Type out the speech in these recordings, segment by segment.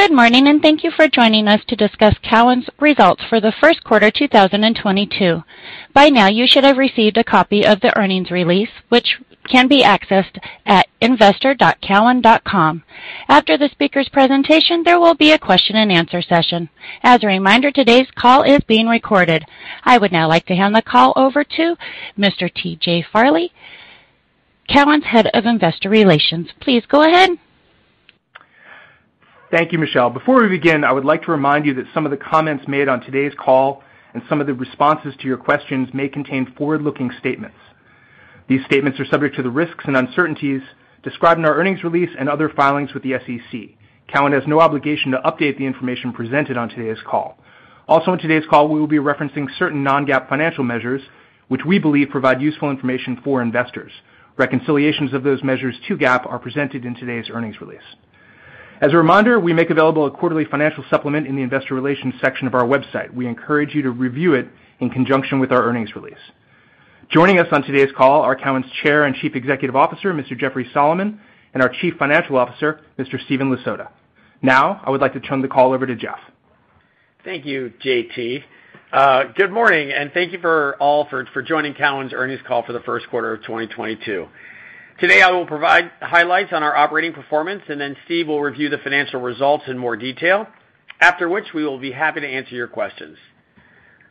Good morning, and thank you for joining us to discuss Cowen's results for the first quarter 2022. By now, you should have received a copy of the earnings release, which can be accessed at investor.cowen.com. After the speaker's presentation, there will be a question-and-answer session. As a reminder, today's call is being recorded. I would now like to hand the call over to Mr. J.T. Farley, Cowen's Head of Investor Relations. Please go ahead. Thank you, Michelle. Before we begin, I would like to remind you that some of the comments made on today's call and some of the responses to your questions may contain forward-looking statements. These statements are subject to the risks and uncertainties described in our earnings release and other filings with the SEC. Cowen has no obligation to update the information presented on today's call. Also in today's call, we will be referencing certain non-GAAP financial measures which we believe provide useful information for investors. Reconciliations of those measures to GAAP are presented in today's earnings release. As a reminder, we make available a quarterly financial supplement in the investor relations section of our website. We encourage you to review it in conjunction with our earnings release. Joining us on today's call are Cowen's Chair and Chief Executive Officer, Mr. Jeffrey Solomon, and our Chief Financial Officer, Mr. Stephen Lasota. Now, I would like to turn the call over to Jeff. Thank you, JT. Good morning, and thank you all for joining Cowen's earnings call for the first quarter of 2022. Today, I will provide highlights on our operating performance, and then Steve will review the financial results in more detail, after which we will be happy to answer your questions.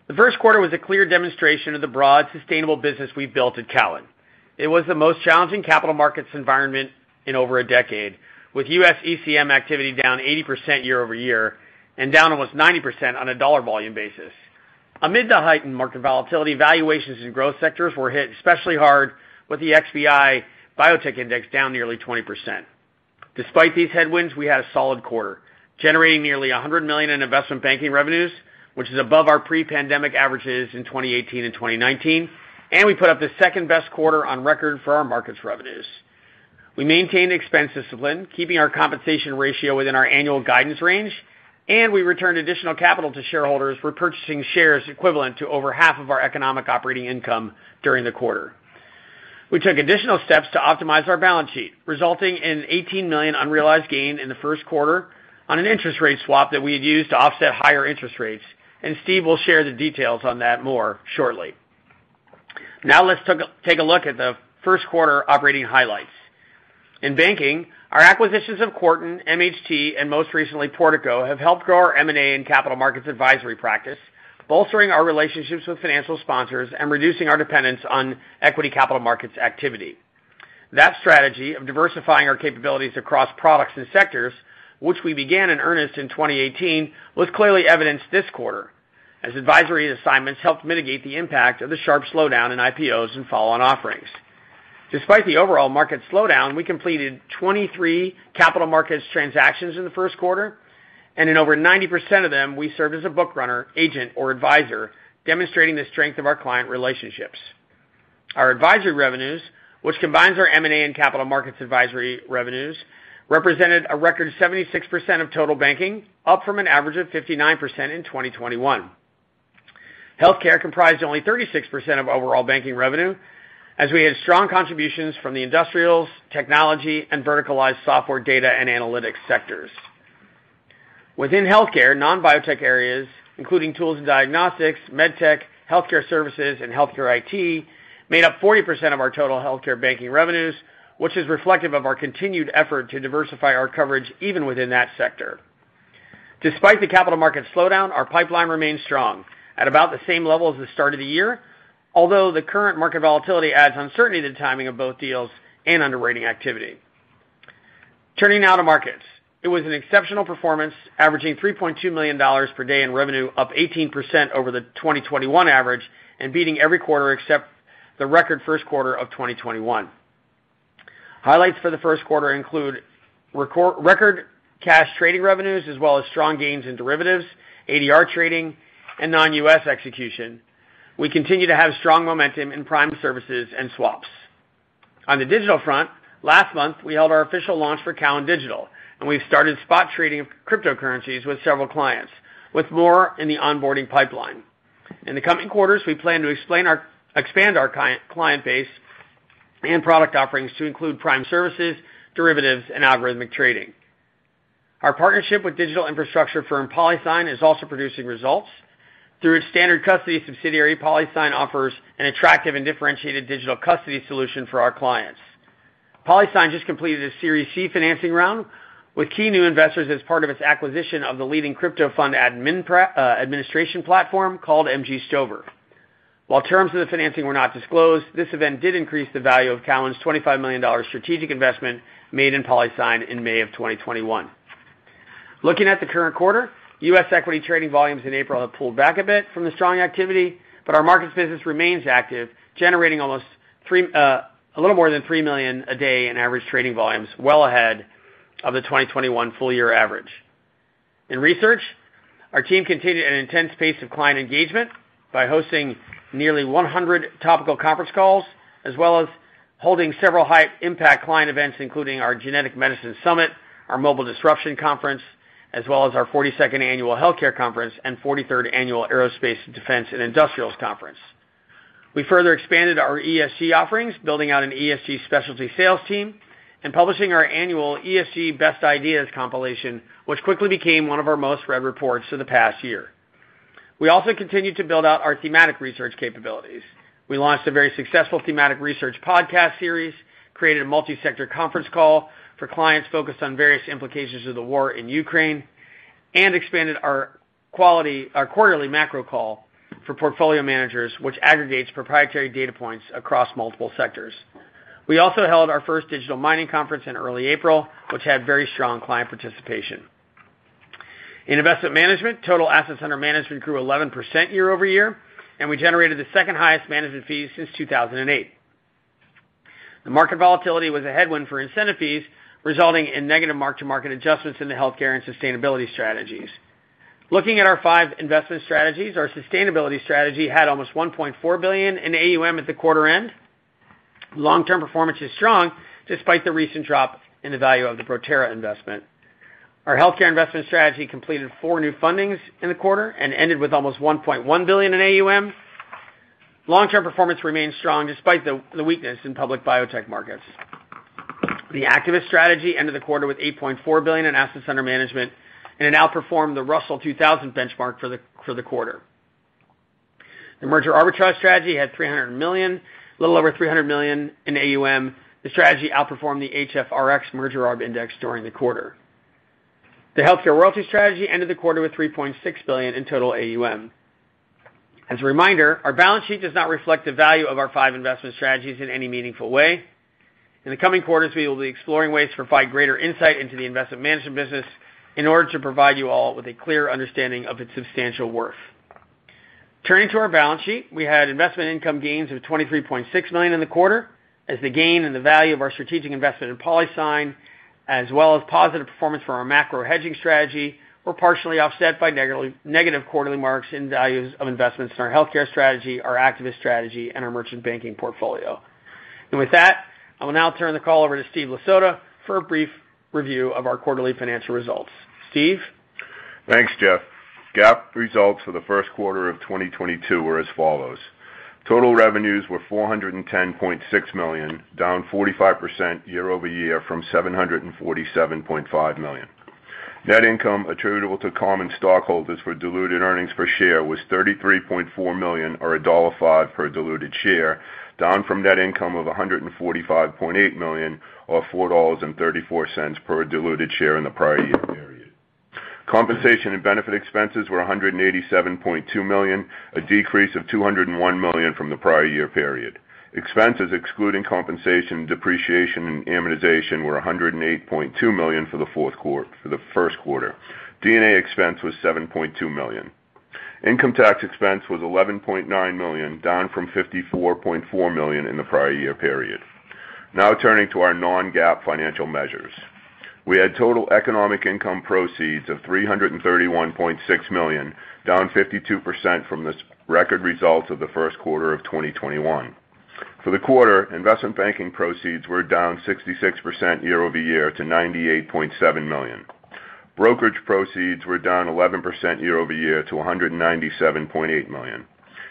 The first quarter was a clear demonstration of the broad, sustainable business we've built at Cowen. It was the most challenging capital markets environment in over a decade, with U.S. ECM activity down 80% year-over-year and down almost 90% on a dollar volume basis. Amid the heightened market volatility, valuations in growth sectors were hit especially hard, with the XBI biotech index down nearly 20%. Despite these headwinds, we had a solid quarter, generating nearly $100 million in investment banking revenues, which is above our pre-pandemic averages in 2018 and 2019, and we put up the second-best quarter on record for our markets revenues. We maintained expense discipline, keeping our compensation ratio within our annual guidance range, and we returned additional capital to shareholders, repurchasing shares equivalent to over half of our economic operating income during the quarter. We took additional steps to optimize our balance sheet, resulting in $18 million unrealized gain in the first quarter on an interest rate swap that we had used to offset higher interest rates, and Steve will share the details on that more shortly. Now let's take a look at the first quarter operating highlights. In banking, our acquisitions of Quarton, MHT, and most recently, Portico, have helped grow our M&A and capital markets advisory practice, bolstering our relationships with financial sponsors and reducing our dependence on equity capital markets activity. That strategy of diversifying our capabilities across products and sectors, which we began in earnest in 2018, was clearly evidenced this quarter, as advisory assignments helped mitigate the impact of the sharp slowdown in IPOs and follow-on offerings. Despite the overall market slowdown, we completed 23 capital markets transactions in the first quarter, and in over 90% of them, we served as a book runner, agent, or advisor, demonstrating the strength of our client relationships. Our advisory revenues, which combines our M&A and capital markets advisory revenues, represented a record 76% of total banking, up from an average of 59% in 2021. Healthcare comprised only 36% of overall banking revenue, as we had strong contributions from the industrials, technology, and verticalized software data and analytics sectors. Within healthcare, non-biotech areas, including tools and diagnostics, med tech, healthcare services, and healthcare IT, made up 40% of our total healthcare banking revenues, which is reflective of our continued effort to diversify our coverage even within that sector. Despite the capital market slowdown, our pipeline remains strong at about the same level as the start of the year, although the current market volatility adds uncertainty to the timing of both deals and underwriting activity. Turning now to markets. It was an exceptional performance, averaging $3.2 million per day in revenue, up 18% over the 2021 average and beating every quarter except the record first quarter of 2021. Highlights for the first quarter include record cash trading revenues, as well as strong gains in derivatives, ADR trading, and non-U.S. execution. We continue to have strong momentum in prime services and swaps. On the digital front, last month we held our official launch for Cowen Digital, and we've started spot trading cryptocurrencies with several clients, with more in the onboarding pipeline. In the coming quarters, we plan to expand our client base and product offerings to include prime services, derivatives, and algorithmic trading. Our partnership with digital infrastructure firm PolySign is also producing results. Through its Standard Custody subsidiary, PolySign offers an attractive and differentiated digital custody solution for our clients. PolySign just completed a Series C financing round with key new investors as part of its acquisition of the leading crypto fund administration platform called MG Stover. While terms of the financing were not disclosed, this event did increase the value of Cowen's $25 million strategic investment made in PolySign in May 2021. Looking at the current quarter, U.S. equity trading volumes in April have pulled back a bit from the strong activity, but our markets business remains active, generating a little more than 3 million a day in average trading volumes, well ahead of the 2021 full-year average. In research, our team continued an intense pace of client engagement by hosting nearly 100 topical conference calls, as well as holding several high-impact client events, including our Genetic Medicines Summit, our Mobility Disruption Conference, as well as our 42nd annual Health Care Conference and 43rd annual Aerospace, Defense, and Industrials Conference. We further expanded our ESG offerings, building out an ESG specialty sales team and publishing our annual ESG Best Ideas compilation, which quickly became one of our most-read reports for the past year. We also continued to build out our thematic research capabilities. We launched a very successful thematic research podcast series, created a multi-sector conference call for clients focused on various implications of the war in Ukraine, and expanded our quarterly macro call for portfolio managers, which aggregates proprietary data points across multiple sectors. We also held our first digital mining conference in early April, which had very strong client participation. In investment management, total assets under management grew 11% year-over-year, and we generated the second-highest management fee since 2008. The market volatility was a headwind for incentive fees, resulting in negative mark-to-market adjustments in the healthcare and sustainability strategies. Looking at our five investment strategies, our sustainability strategy had almost $1.4 billion in AUM at the quarter end. Long-term performance is strong despite the recent drop in the value of the Proterra investment. Our healthcare investment strategy completed four new fundings in the quarter and ended with almost $1.1 billion in AUM. Long-term performance remains strong despite the weakness in public biotech markets. The activist strategy ended the quarter with $8.4 billion in assets under management and it outperformed the Russell 2000 benchmark for the quarter. The merger arbitrage strategy had 300 million, a little over 300 million in AUM. The strategy outperformed the HFRX Merger Arb Index during the quarter. The healthcare royalty strategy ended the quarter with $3.6 billion in total AUM. As a reminder, our balance sheet does not reflect the value of our five investment strategies in any meaningful way. In the coming quarters, we will be exploring ways to provide greater insight into the investment management business in order to provide you all with a clear understanding of its substantial worth. Turning to our balance sheet, we had investment income gains of $23.6 million in the quarter as the gain in the value of our strategic investment in PolySign, as well as positive performance from our macro hedging strategy were partially offset by negative quarterly marks in values of investments in our healthcare strategy, our activist strategy, and our merchant banking portfolio. With that, I will now turn the call over to Steve Lasota for a brief review of our quarterly financial results. Steve? Thanks, Jeff. GAAP results for the first quarter of 2022 were as follows: Total revenues were $410.6 million, down 45% year-over-year from $747.5 million. Net income attributable to common stockholders for diluted earnings per share was $33.4 million or $1.05 per diluted share, down from net income of $145.8 million or $4.34 per diluted share in the prior year period. Compensation and benefit expenses were $187.2 million, a decrease of $201 million from the prior year period. Expenses excluding compensation, depreciation, and amortization were $108.2 million for the first quarter. D&A expense was $7.2 million. Income tax expense was $11.9 million, down from $54.4 million in the prior year period. Now turning to our non-GAAP financial measures. We had total economic income proceeds of $331.6 million, down 52% from the record results of the first quarter of 2021. For the quarter, investment banking proceeds were down 66% year-over-year to $98.7 million. Brokerage proceeds were down 11% year-over-year to $197.8 million.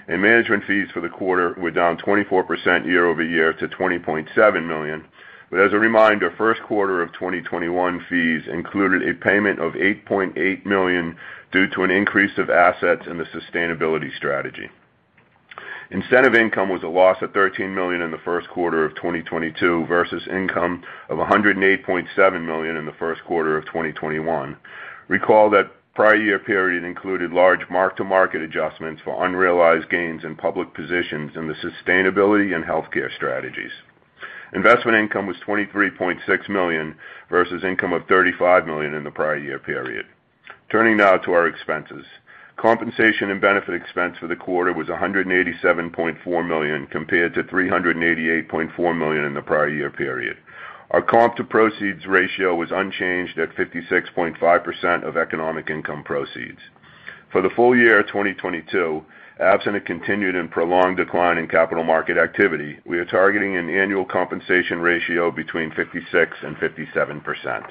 Management fees for the quarter were down 24% year-over-year to $20.7 million. As a reminder, first quarter of 2021 fees included a payment of $8.8 million due to an increase of assets in the sustainability strategy. Incentive income was a loss of $13 million in the first quarter of 2022 versus income of $108.7 million in the first quarter of 2021. Recall that prior year period included large mark-to-market adjustments for unrealized gains in public positions in the sustainability and healthcare strategies. Investment income was $23.6 million versus income of $35 million in the prior year period. Turning now to our expenses. Compensation and benefit expense for the quarter was $187.4 million compared to $388.4 million in the prior year period. Our comp to proceeds ratio was unchanged at 56.5% of economic income proceeds. For the full year 2022, absent a continued and prolonged decline in capital market activity, we are targeting an annual compensation ratio between 56% and 57%.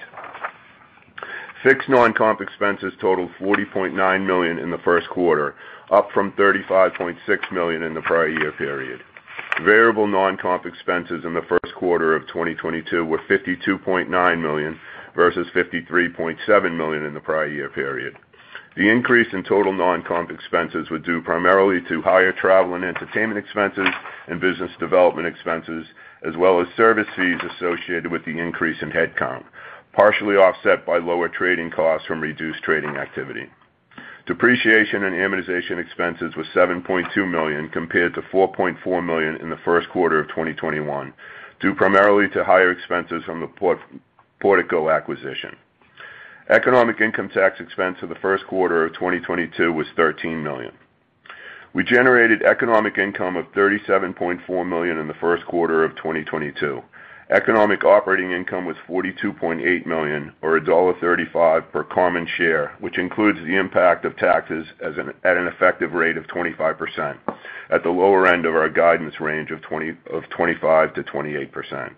Fixed non-comp expenses totaled $40.9 million in the first quarter, up from $35.6 million in the prior year period. Variable non-comp expenses in the first quarter of 2022 were $52.9 million, versus $53.7 million in the prior year period. The increase in total non-comp expenses were due primarily to higher travel and entertainment expenses and business development expenses, as well as service fees associated with the increase in headcount, partially offset by lower trading costs from reduced trading activity. Depreciation and amortization expenses were $7.2 million compared to $4.4 million in the first quarter of 2021, due primarily to higher expenses from the Portico acquisition. Economic income tax expense for the first quarter of 2022 was $13 million. We generated economic income of $37.4 million in the first quarter of 2022. Economic operating income was $42.8 million, or $1.35 per common share, which includes the impact of taxes at an effective rate of 25% at the lower end of our guidance range of 25%-28%.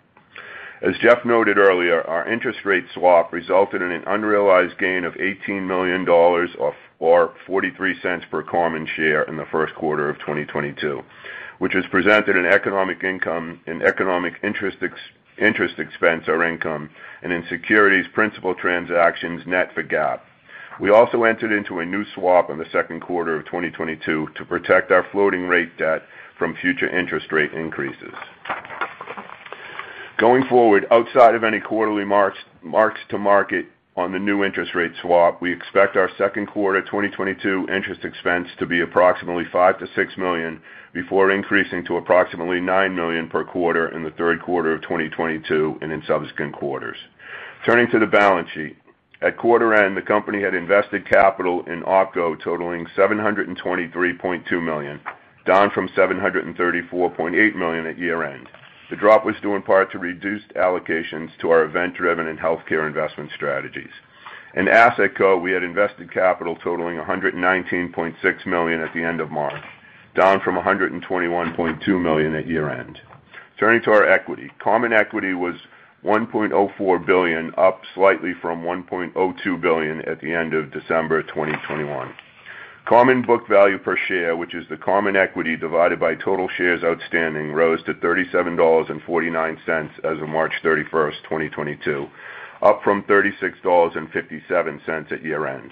Jeff noted earlier, our interest rate swap resulted in an unrealized gain of $18 million or $0.43 per common share in the first quarter of 2022, which has presented an economic income and economic interest ex-interest expense or income, and in securities principal transactions net for GAAP. We also entered into a new swap in the second quarter of 2022 to protect our floating rate debt from future interest rate increases. Going forward, outside of any quarterly marks to market on the new interest rate swap, we expect our second quarter 2022 interest expense to be approximately $5 million-$6 million, before increasing to approximately $9 million per quarter in the third quarter of 2022 and in subsequent quarters. Turning to the balance sheet. At quarter end, the company had invested capital in OpCo totaling $723.2 million, down from $734.8 million at year-end. The drop was due in part to reduced allocations to our event-driven and healthcare investment strategies. In AssetCo, we had invested capital totaling $119.6 million at the end of March, down from $121.2 million at year-end. Turning to our equity. Common equity was $1.04 billion, up slightly from $1.02 billion at the end of December 2021. Common book value per share, which is the common equity divided by total shares outstanding, rose to $37.49 as of March 31, 2022, up from $36.57 at year-end.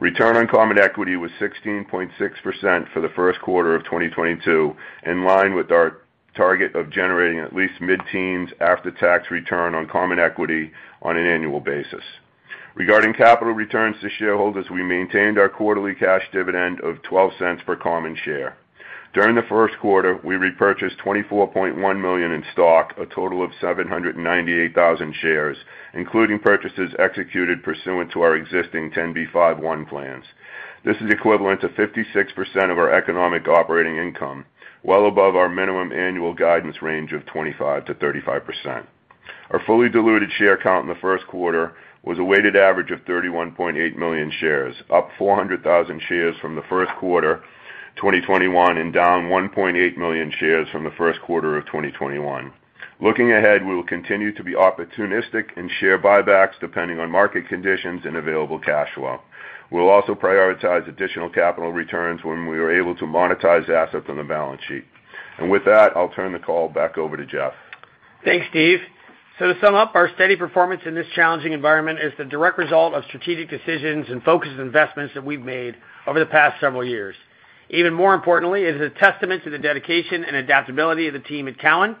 Return on common equity was 16.6% for the first quarter of 2022, in line with our target of generating at least mid-teens after-tax return on common equity on an annual basis. Regarding capital returns to shareholders, we maintained our quarterly cash dividend of $0.12 per common share. During the first quarter, we repurchased $24.1 million in stock, a total of 798,000 shares, including purchases executed pursuant to our existing 10b5-1 plans. This is equivalent to 56% of our economic operating income, well above our minimum annual guidance range of 25%-35%. Our fully diluted share count in the first quarter was a weighted average of 31.8 million shares, up 400,000 shares from the first quarter 2021 and down 1.8 million shares from the first quarter of 2021. Looking ahead, we will continue to be opportunistic in share buybacks, depending on market conditions and available cash flow. We'll also prioritize additional capital returns when we are able to monetize assets on the balance sheet. With that, I'll turn the call back over to Jeff. Thanks, Steve. To sum up, our steady performance in this challenging environment is the direct result of strategic decisions and focused investments that we've made over the past several years. Even more importantly, it is a testament to the dedication and adaptability of the team at Cowen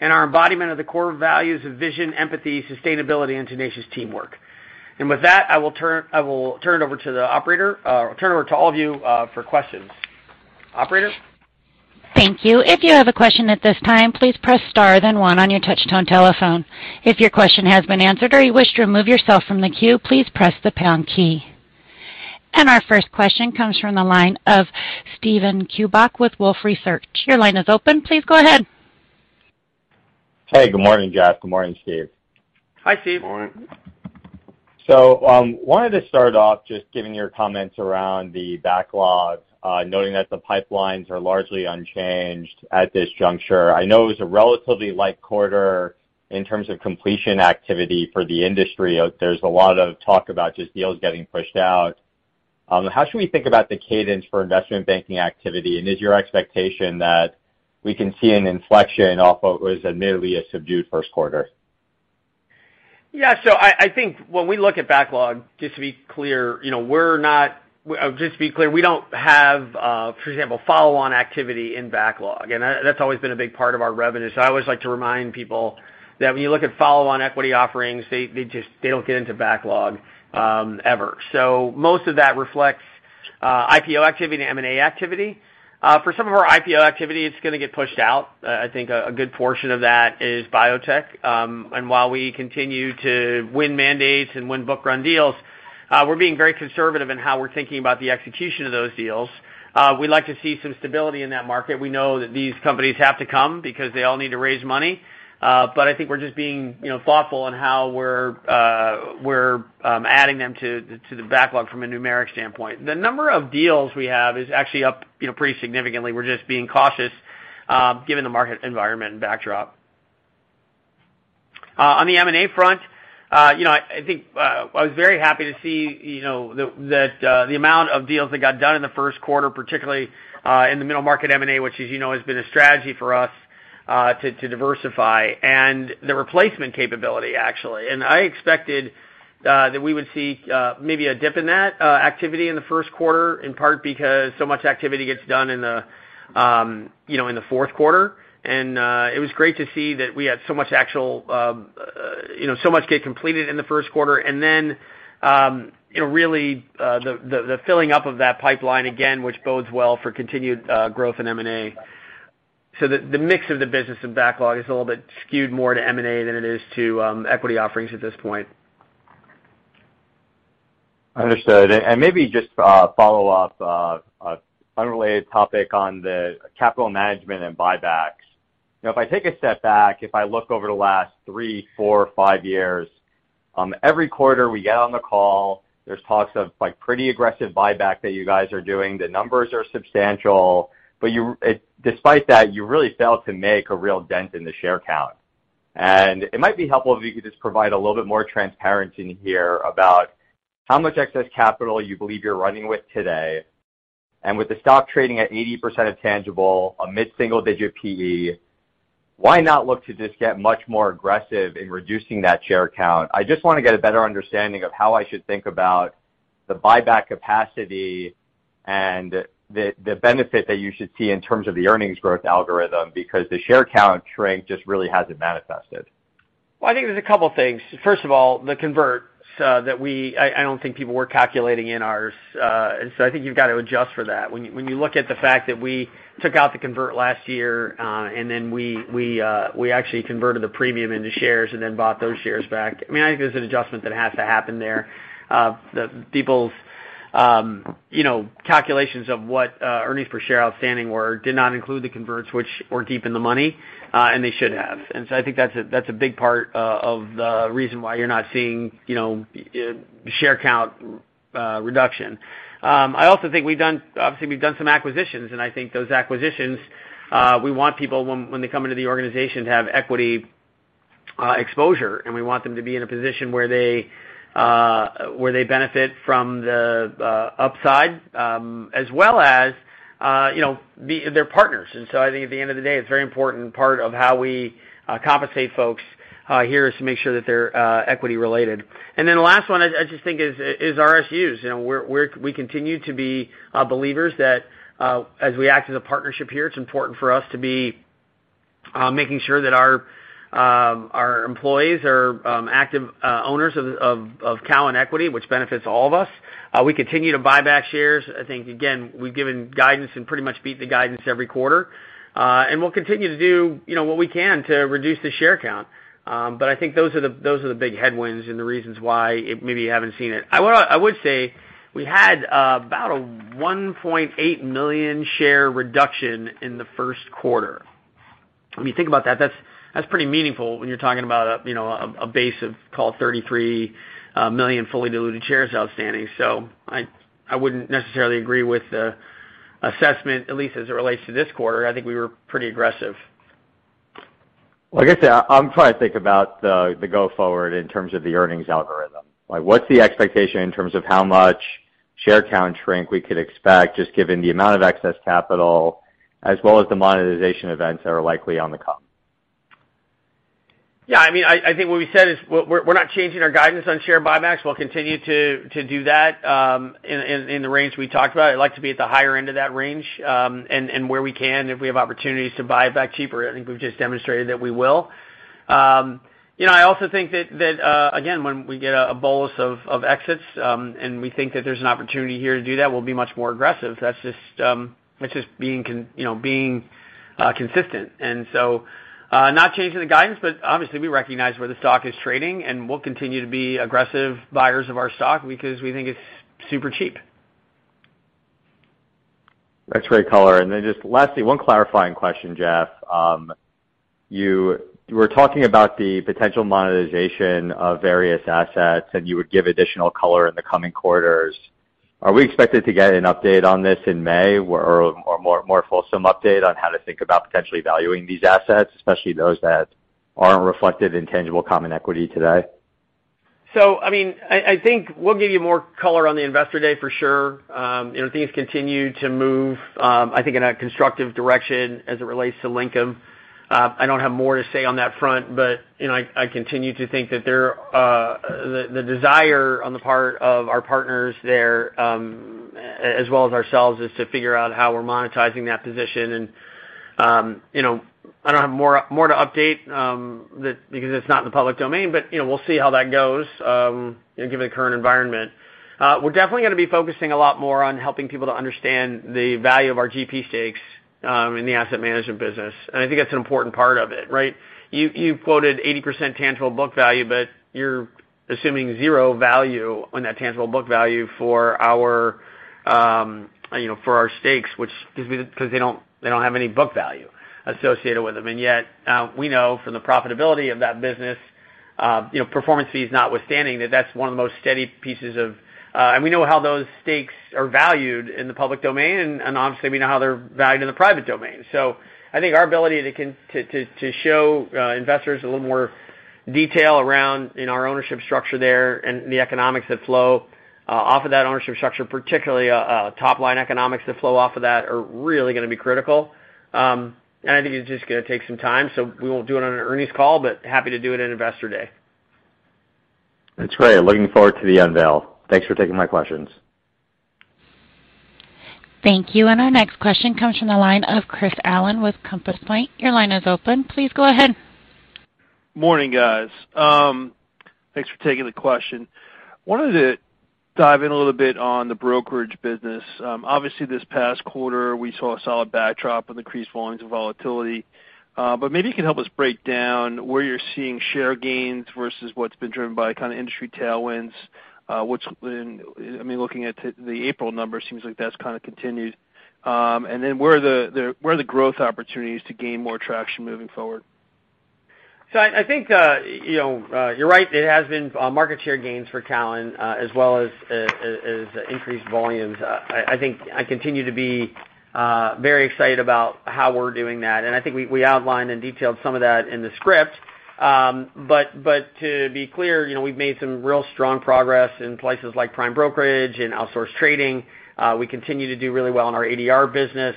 and our embodiment of the core values of vision, empathy, sustainability, and tenacious teamwork. With that, I will turn it over to all of you for questions. Operator? Thank you. If you have a question at this time, please press star then one on your touch tone telephone. If your question has been answered or you wish to remove yourself from the queue, please press the pound key. Our first question comes from the line of Steven Chubak with Wolfe Research. Your line is open. Please go ahead. Hey, good morning, Jeff. Good morning, Steve. Hi, Steve. Good morning. Wanted to start off just getting your comments around the backlog, noting that the pipelines are largely unchanged at this juncture. I know it was a relatively light quarter in terms of completion activity for the industry. There's a lot of talk about just deals getting pushed out. How should we think about the cadence for investment banking activity? Is your expectation that we can see an inflection off what was admittedly a subdued first quarter? I think when we look at backlog, just to be clear, you know, we don't have, for example, follow-on activity in backlog, and that's always been a big part of our revenue. I always like to remind people that when you look at follow-on equity offerings, they just don't get into backlog ever. Most of that reflects IPO activity and M&A activity. For some of our IPO activity, it's gonna get pushed out. I think a good portion of that is biotech. While we continue to win mandates and win book-run deals, we're being very conservative in how we're thinking about the execution of those deals. We'd like to see some stability in that market. We know that these companies have to come because they all need to raise money. I think we're just being, you know, thoughtful on how we're adding them to the backlog from a numeric standpoint. The number of deals we have is actually up, you know, pretty significantly. We're just being cautious given the market environment and backdrop. On the M&A front, you know, I think I was very happy to see, you know, the amount of deals that got done in the first quarter, particularly in the middle market M&A, which, as you know, has been a strategy for us to diversify, and the replacement capability, actually. I expected that we would see maybe a dip in that activity in the first quarter, in part because so much activity gets done in you know, in the fourth quarter. It was great to see that we had so much actual you know, so much get completed in the first quarter. You know, really, the filling up of that pipeline again, which bodes well for continued growth in M&A. The mix of the business and backlog is a little bit skewed more to M&A than it is to equity offerings at this point. Understood. Maybe just follow up on an unrelated topic on the capital management and buybacks. You know, if I take a step back, if I look over the last three, four, five years, every quarter we get on the call, there's talks of like pretty aggressive buyback that you guys are doing. The numbers are substantial, but despite that, you really fail to make a real dent in the share count. It might be helpful if you could just provide a little bit more transparency here about how much excess capital you believe you're running with today. With the stock trading at 80% of tangible, a mid-single digit PE, why not look to just get much more aggressive in reducing that share count? I just wanna get a better understanding of how I should think about the buyback capacity and the benefit that you should see in terms of the earnings growth algorithm, because the share count shrink just really hasn't manifested. Well, I think there's a couple things. First of all, the converts. I don't think people were calculating in ours. I think you've got to adjust for that. When you look at the fact that we took out the convert last year, and then we actually converted the premium into shares and then bought those shares back, I mean, I think there's an adjustment that has to happen there. People's, you know, calculations of what earnings per share outstanding were did not include the converts which were deep in the money, and they should have. I think that's a big part of the reason why you're not seeing, you know, share count reduction. I also think we've done some acquisitions, and I think those acquisitions, we want people when they come into the organization to have equity exposure, and we want them to be in a position where they benefit from the upside, as well as, you know, they're partners. I think at the end of the day, it's a very important part of how we compensate folks here is to make sure that they're equity related. Then the last one I just think is RSUs. You know, we continue to be believers that, as we act as a partnership here, it's important for us to be making sure that our employees are active owners of Cowen equity, which benefits all of us. We continue to buy back shares. I think again, we've given guidance and pretty much beat the guidance every quarter. We'll continue to do, you know, what we can to reduce the share count. I think those are the big headwinds and the reasons why it maybe you haven't seen it. I would say we had about a 1.8 million share reduction in the first quarter. When you think about that's pretty meaningful when you're talking about, you know, a base of call it 33 million fully diluted shares outstanding. I wouldn't necessarily agree with the assessment, at least as it relates to this quarter. I think we were pretty aggressive. Well, I guess I'm trying to think about the go forward in terms of the earnings algorithm. Like, what's the expectation in terms of how much share count shrink we could expect just given the amount of excess capital as well as the monetization events that are likely on the come? Yeah, I mean, I think what we said is we're not changing our guidance on share buybacks. We'll continue to do that in the range we talked about. I'd like to be at the higher end of that range, and where we can, if we have opportunities to buy back cheaper, I think we've just demonstrated that we will. You know, I also think that again, when we get a bolus of exits, and we think that there's an opportunity here to do that, we'll be much more aggressive. That's just being consistent. You know, being consistent. Not changing the guidance, but obviously we recognize where the stock is trading, and we'll continue to be aggressive buyers of our stock because we think it's super cheap. That's great color. Then just lastly, one clarifying question, Jeff. You were talking about the potential monetization of various assets, and you would give additional color in the coming quarters. Are we expected to get an update on this in May or more fulsome update on how to think about potentially valuing these assets, especially those that aren't reflected in tangible common equity today? I mean, I think we'll give you more color on the Investor Day for sure. You know, things continue to move, I think in a constructive direction as it relates to Linkem. I don't have more to say on that front, but you know, I continue to think that the desire on the part of our partners there, as well as ourselves, is to figure out how we're monetizing that position. You know, I don't have more to update that because it's not in the public domain, but you know, we'll see how that goes, you know, given the current environment. We're definitely gonna be focusing a lot more on helping people to understand the value of our GP stakes in the asset management business. I think that's an important part of it, right? You quoted 80% tangible book value, but you're assuming zero value on that tangible book value for our, you know, for our stakes, which gives me the because they don't have any book value associated with them. Yet, we know from the profitability of that business, you know, performance fees notwithstanding, that that's one of the most steady pieces of. We know how those stakes are valued in the public domain, and obviously we know how they're valued in the private domain. I think our ability to show investors a little more detail around, you know, our ownership structure there and the economics that flow off of that ownership structure, particularly top-line economics that flow off of that, are really gonna be critical. I think it's just gonna take some time, so we won't do it on an earnings call, but happy to do it at Investor Day. That's great. Looking forward to the unveil. Thanks for taking my questions. Thank you. Our next question comes from the line of Chris Allen with Compass Point. Your line is open. Please go ahead. Morning, guys. Thanks for taking the question. Wanted to dive in a little bit on the brokerage business. Obviously this past quarter we saw a solid backdrop of increased volumes of volatility. Maybe you can help us break down where you're seeing share gains versus what's been driven by kind of industry tailwinds. I mean, looking at the April numbers, seems like that's kind of continued. Then where are the growth opportunities to gain more traction moving forward? I think you know you're right. It has been market share gains for Cowen as well as increased volumes. I think I continue to be very excited about how we're doing that. I think we outlined and detailed some of that in the script. To be clear, you know, we've made some real strong progress in places like prime brokerage and outsource trading. We continue to do really well in our ADR business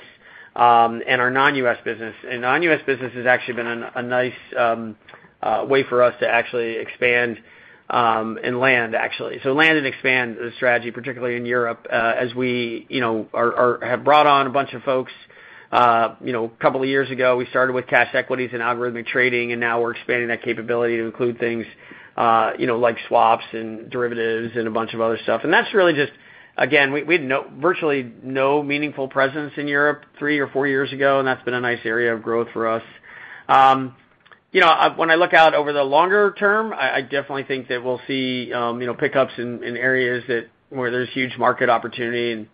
and our non-U.S. business. Non-U.S. business has actually been a nice way for us to actually expand and land actually. Land and expand the strategy, particularly in Europe, as we you know are. have brought on a bunch of folks, you know, a couple of years ago, we started with cash equities and algorithmic trading, and now we're expanding that capability to include things, you know, like swaps and derivatives and a bunch of other stuff. That's really just again, we had virtually no meaningful presence in Europe three or four years ago, and that's been a nice area of growth for us. You know, when I look out over the longer term, I definitely think that we'll see, you know, pickups in areas where there's huge market opportunity.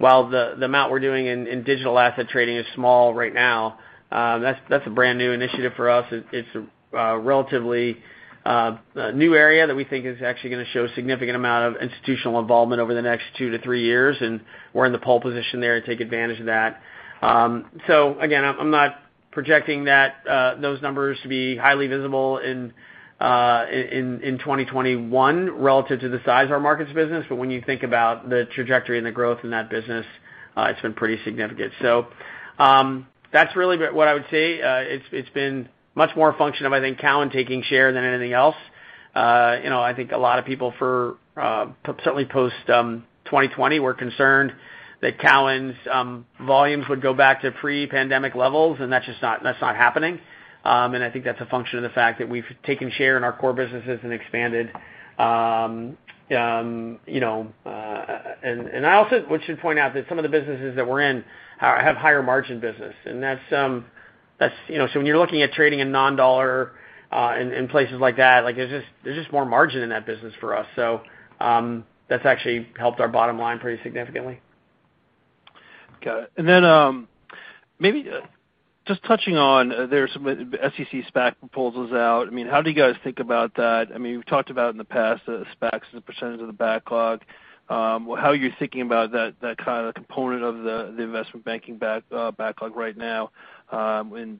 While the amount we're doing in digital asset trading is small right now, that's a brand new initiative for us. It's relatively a new area that we think is actually gonna show a significant amount of institutional involvement over the next two to three years, and we're in the pole position there to take advantage of that. Again, I'm not projecting that those numbers to be highly visible in 2021 relative to the size of our markets business. When you think about the trajectory and the growth in that business, it's been pretty significant. That's really what I would say. It's been much more a function of, I think, Cowen taking share than anything else. You know, I think a lot of people certainly post-2020 were concerned that Cowen's volumes would go back to pre-pandemic levels, and that's just not happening. I think that's a function of the fact that we've taken share in our core businesses and expanded, you know. I also should point out that some of the businesses that we're in have higher margin business, and that's, you know. When you're looking at trading in non-dollar, in places like that, like there's just more margin in that business for us. That's actually helped our bottom line pretty significantly. Got it. Maybe just touching on, there's some SEC SPAC proposals out. I mean, how do you guys think about that? I mean, you've talked about in the past, SPACs as a percentage of the backlog. How are you thinking about that kind of component of the investment banking backlog right now?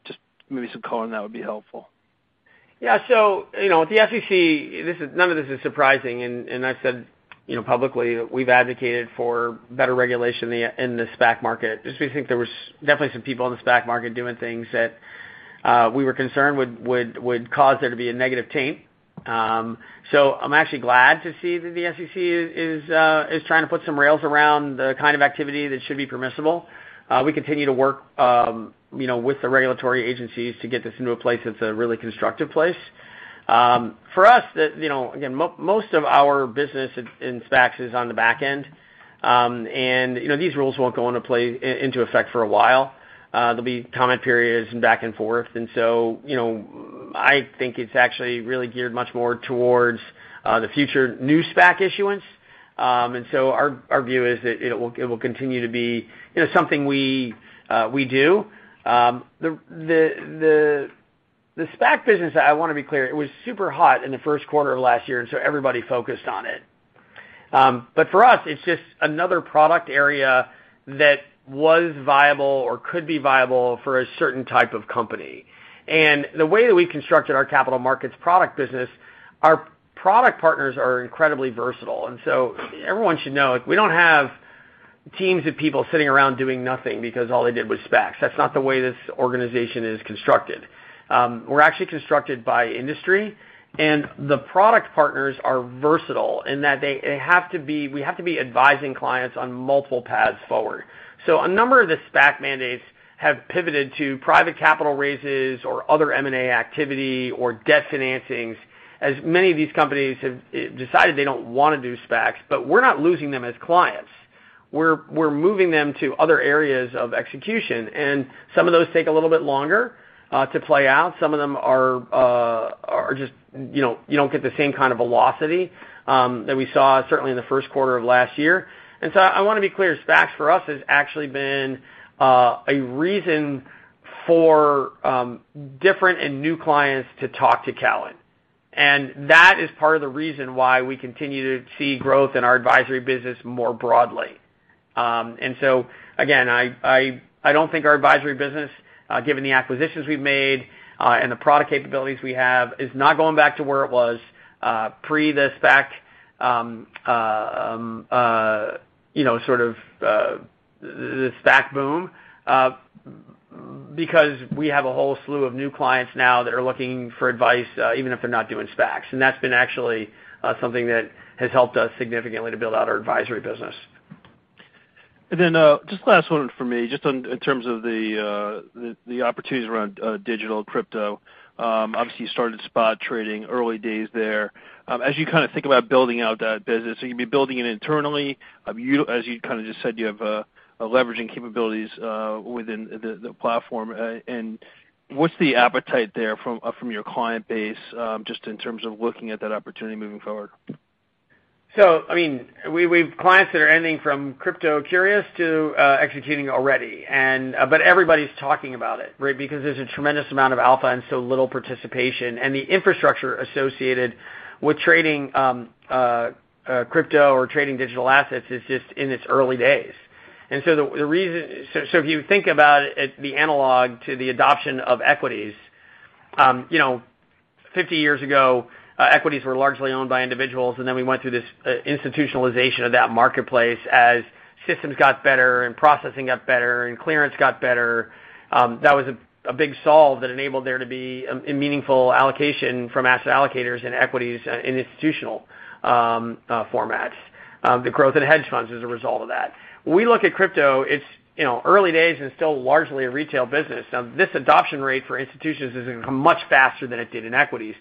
Just maybe some color on that would be helpful. Yeah, you know, the SEC, this is none of this is surprising. I've said, you know, publicly, we've advocated for better regulation in the SPAC market, just because we think there was definitely some people in the SPAC market doing things that we were concerned would cause there to be a negative taint. I'm actually glad to see that the SEC is trying to put some rails around the kind of activity that should be permissible. We continue to work, you know, with the regulatory agencies to get this into a place that's a really constructive place. For us, you know, again, most of our business in SPACs is on the back end. You know, these rules won't go into effect for a while. There'll be comment periods and back and forth. You know, I think it's actually really geared much more towards the future new SPAC issuance. Our view is that it will continue to be, you know, something we do. The SPAC business, I wanna be clear, it was super hot in the first quarter of last year, and so everybody focused on it. But for us, it's just another product area that was viable or could be viable for a certain type of company. The way that we constructed our capital markets product business, our product partners are incredibly versatile. Everyone should know, like we don't have teams of people sitting around doing nothing because all they did was SPACs. That's not the way this organization is constructed. We're actually constructed by industry, and the product partners are versatile in that they have to be, we have to be advising clients on multiple paths forward. A number of the SPAC mandates have pivoted to private capital raises or other M&A activity or debt financings, as many of these companies have decided they don't wanna do SPACs. We're not losing them as clients. We're moving them to other areas of execution. Some of those take a little bit longer to play out. Some of them are just, you know, you don't get the same kind of velocity that we saw certainly in the first quarter of last year. I wanna be clear, SPACs for us has actually been a reason for different and new clients to talk to Cowen. That is part of the reason why we continue to see growth in our advisory business more broadly. Again, I don't think our advisory business, given the acquisitions we've made, and the product capabilities we have, is not going back to where it was, pre the SPAC, you know, sort of, the SPAC boom, because we have a whole slew of new clients now that are looking for advice, even if they're not doing SPACs. That's been actually, something that has helped us significantly to build out our advisory business. Just last one for me, just on, in terms of the opportunities around digital crypto. Obviously you started spot trading early days there. As you kind of think about building out that business, are you gonna be building it internally? As you kind of just said, you have leveraging capabilities within the platform. What's the appetite there from your client base, just in terms of looking at that opportunity moving forward? We have clients that are anything from crypto curious to executing already. Everybody's talking about it, right? Because there's a tremendous amount of alpha and so little participation, and the infrastructure associated with trading crypto or trading digital assets is just in its early days. If you think about it as the analog to the adoption of equities, you know, 50 years ago, equities were largely owned by individuals, and then we went through this institutionalization of that marketplace as systems got better and processing got better and clearance got better. That was a big solve that enabled there to be a meaningful allocation from asset allocators in equities in institutional formats. The growth in hedge funds is a result of that. When we look at crypto, it's, you know, early days and still largely a retail business. Now, this adoption rate for institutions is gonna come much faster than it did in equities.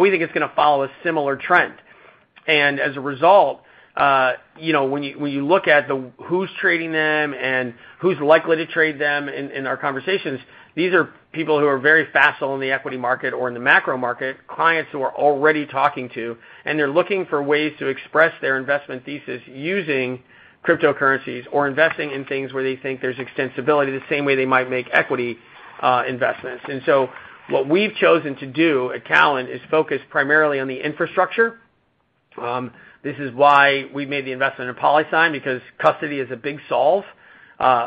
We think it's gonna follow a similar trend. As a result, you know, when you look at who's trading them and who's likely to trade them in our conversations, these are people who are very facile in the equity market or in the macro market, clients who we're already talking to, and they're looking for ways to express their investment thesis using cryptocurrencies or investing in things where they think there's extensibility the same way they might make equity investments. What we've chosen to do at Cowen is focus primarily on the infrastructure. This is why we made the investment in PolySign, because custody is a big solve.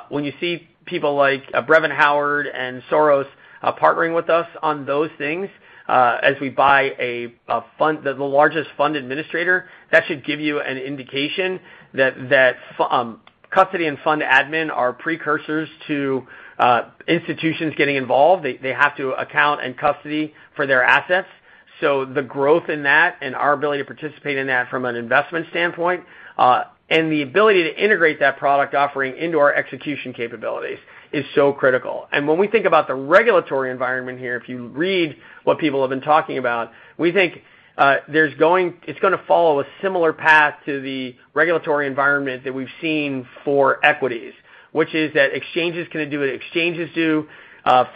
When you see people like Brevan Howard and Soros partnering with us on those things, as we buy a fund, the largest fund administrator, that should give you an indication that custody and fund admin are precursors to institutions getting involved. They have to account and custody for their assets. The growth in that and our ability to participate in that from an investment standpoint, and the ability to integrate that product offering into our execution capabilities is so critical. When we think about the regulatory environment here, if you read what people have been talking about, we think there's going—it's gonna follow a similar path to the regulatory environment that we've seen for equities, which is that exchanges gonna do what exchanges do.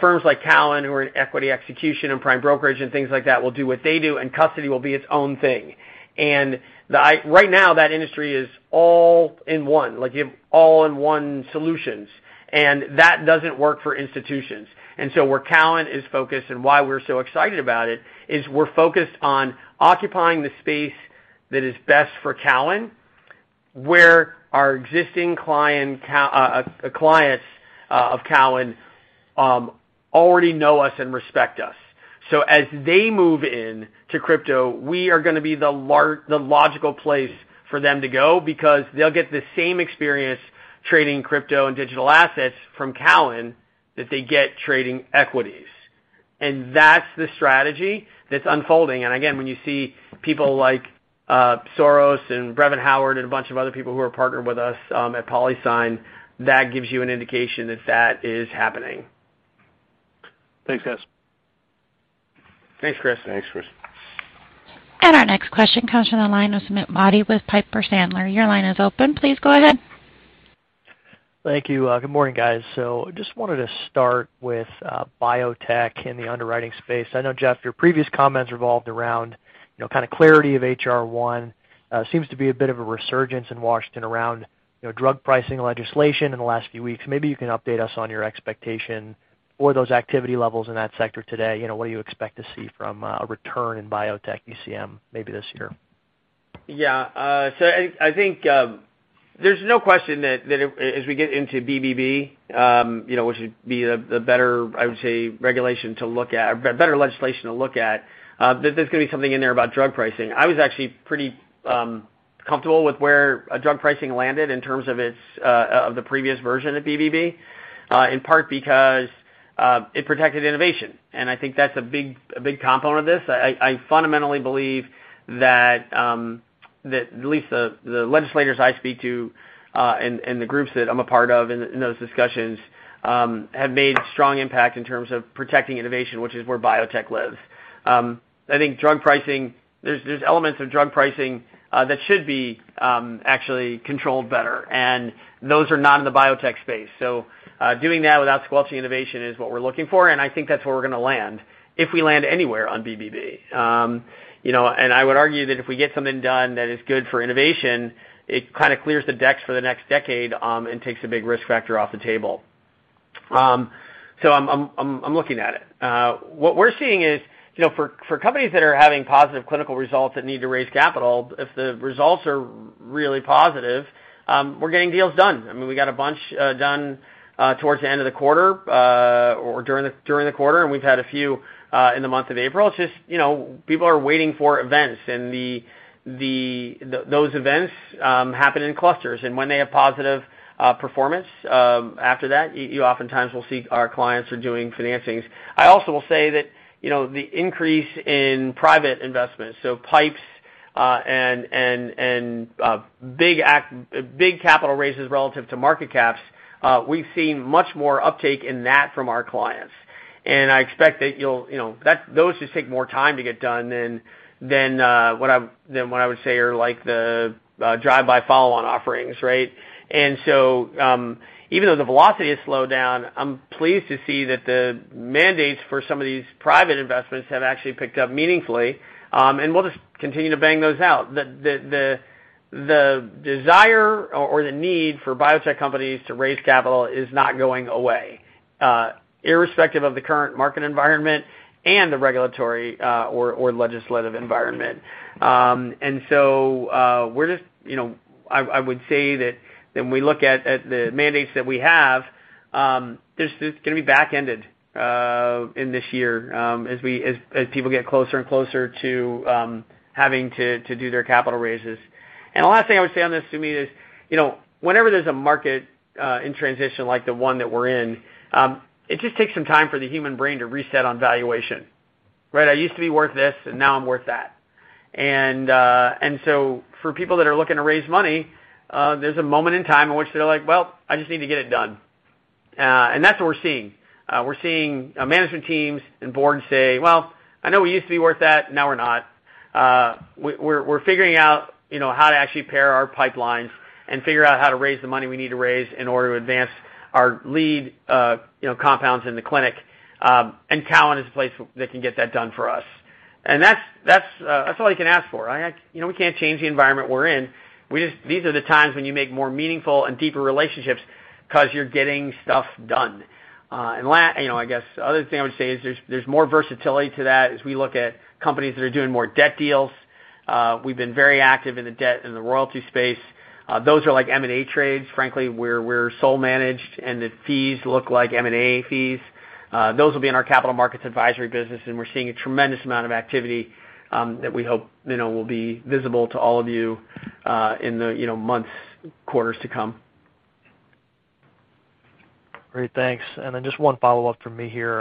Firms like Cowen, who are in equity execution and prime brokerage and things like that, will do what they do, and custody will be its own thing. Right now, that industry is all in one, like you have all-in-one solutions, and that doesn't work for institutions. Where Cowen is focused and why we're so excited about it is we're focused on occupying the space that is best for Cowen, where our existing clients of Cowen already know us and respect us. As they move into crypto, we are gonna be the logical place for them to go because they'll get the same experience trading crypto and digital assets from Cowen that they get trading equities. That's the strategy that's unfolding. Again, when you see people like Soros and Brevan Howard and a bunch of other people who are partnered with us at PolySign, that gives you an indication that that is happening. Thanks, guys. Thanks, Chris. Thanks, Chris. Our next question comes from the line of Sumeet Mody with Piper Sandler. Your line is open. Please go ahead. Thank you. Good morning, guys. Just wanted to start with biotech in the underwriting space. I know, Jeff, your previous comments revolved around, you know, kind of clarity of HR-1. Seems to be a bit of a resurgence in Washington around, you know, drug pricing legislation in the last few weeks. Maybe you can update us on your expectation for those activity levels in that sector today. You know, what do you expect to see from a return in biotech ECM maybe this year? I think there's no question that as we get into BBB, you know, which would be the better legislation to look at, I would say, that there's gonna be something in there about drug pricing. I was actually pretty comfortable with where drug pricing landed in terms of its of the previous version of BBB, in part because it protected innovation, and I think that's a big component of this. I fundamentally believe that at least the legislators I speak to and the groups that I'm a part of in those discussions have made strong impact in terms of protecting innovation, which is where biotech lives. I think drug pricing, there's elements of drug pricing that should be actually controlled better, and those are not in the biotech space. Doing that without squelching innovation is what we're looking for, and I think that's where we're gonna land if we land anywhere on BBB. You know, I would argue that if we get something done that is good for innovation, it kind of clears the decks for the next decade, and takes a big risk factor off the table. I'm looking at it. What we're seeing is, you know, for companies that are having positive clinical results that need to raise capital, if the results are really positive, we're getting deals done. I mean, we got a bunch done towards the end of the quarter or during the quarter, and we've had a few in the month of April. It's just, you know, people are waiting for events, and those events happen in clusters. When they have positive performance after that, you oftentimes will see our clients are doing financings. I also will say that, you know, the increase in private investments, so PIPEs and big capital raises relative to market caps, we've seen much more uptake in that from our clients. I expect that you'll, you know, those just take more time to get done than what I would say are like the drive-by follow-on offerings, right? Even though the velocity has slowed down, I'm pleased to see that the mandates for some of these private investments have actually picked up meaningfully, and we'll just continue to bang those out. The desire or the need for biotech companies to raise capital is not going away, irrespective of the current market environment and the regulatory or legislative environment. We're just, you know, I would say that when we look at the mandates that we have, this is gonna be back-ended in this year, as people get closer and closer to having to do their capital raises. The last thing I would say on this, Sumeet, is, you know, whenever there's a market in transition like the one that we're in, it just takes some time for the human brain to reset on valuation, right? I used to be worth this, and now I'm worth that. For people that are looking to raise money, there's a moment in time in which they're like, "Well, I just need to get it done." That's what we're seeing. We're seeing management teams and boards say, "Well, I know we used to be worth that. Now we're not. We're figuring out, you know, how to actually pair our pipelines and figure out how to raise the money we need to raise in order to advance our lead, you know, compounds in the clinic, and Cowen is a place that can get that done for us." That's all you can ask for. You know, we can't change the environment we're in. These are the times when you make more meaningful and deeper relationships 'cause you're getting stuff done. You know, I guess the other thing I would say is there's more versatility to that as we look at companies that are doing more debt deals. We've been very active in the debt and the royalty space. Those are like M&A trades, frankly, where we're sole managed, and the fees look like M&A fees. Those will be in our capital markets advisory business, and we're seeing a tremendous amount of activity, that we hope, you know, will be visible to all of you, in the, you know, months, quarters to come. Great. Thanks. Then just one follow-up from me here.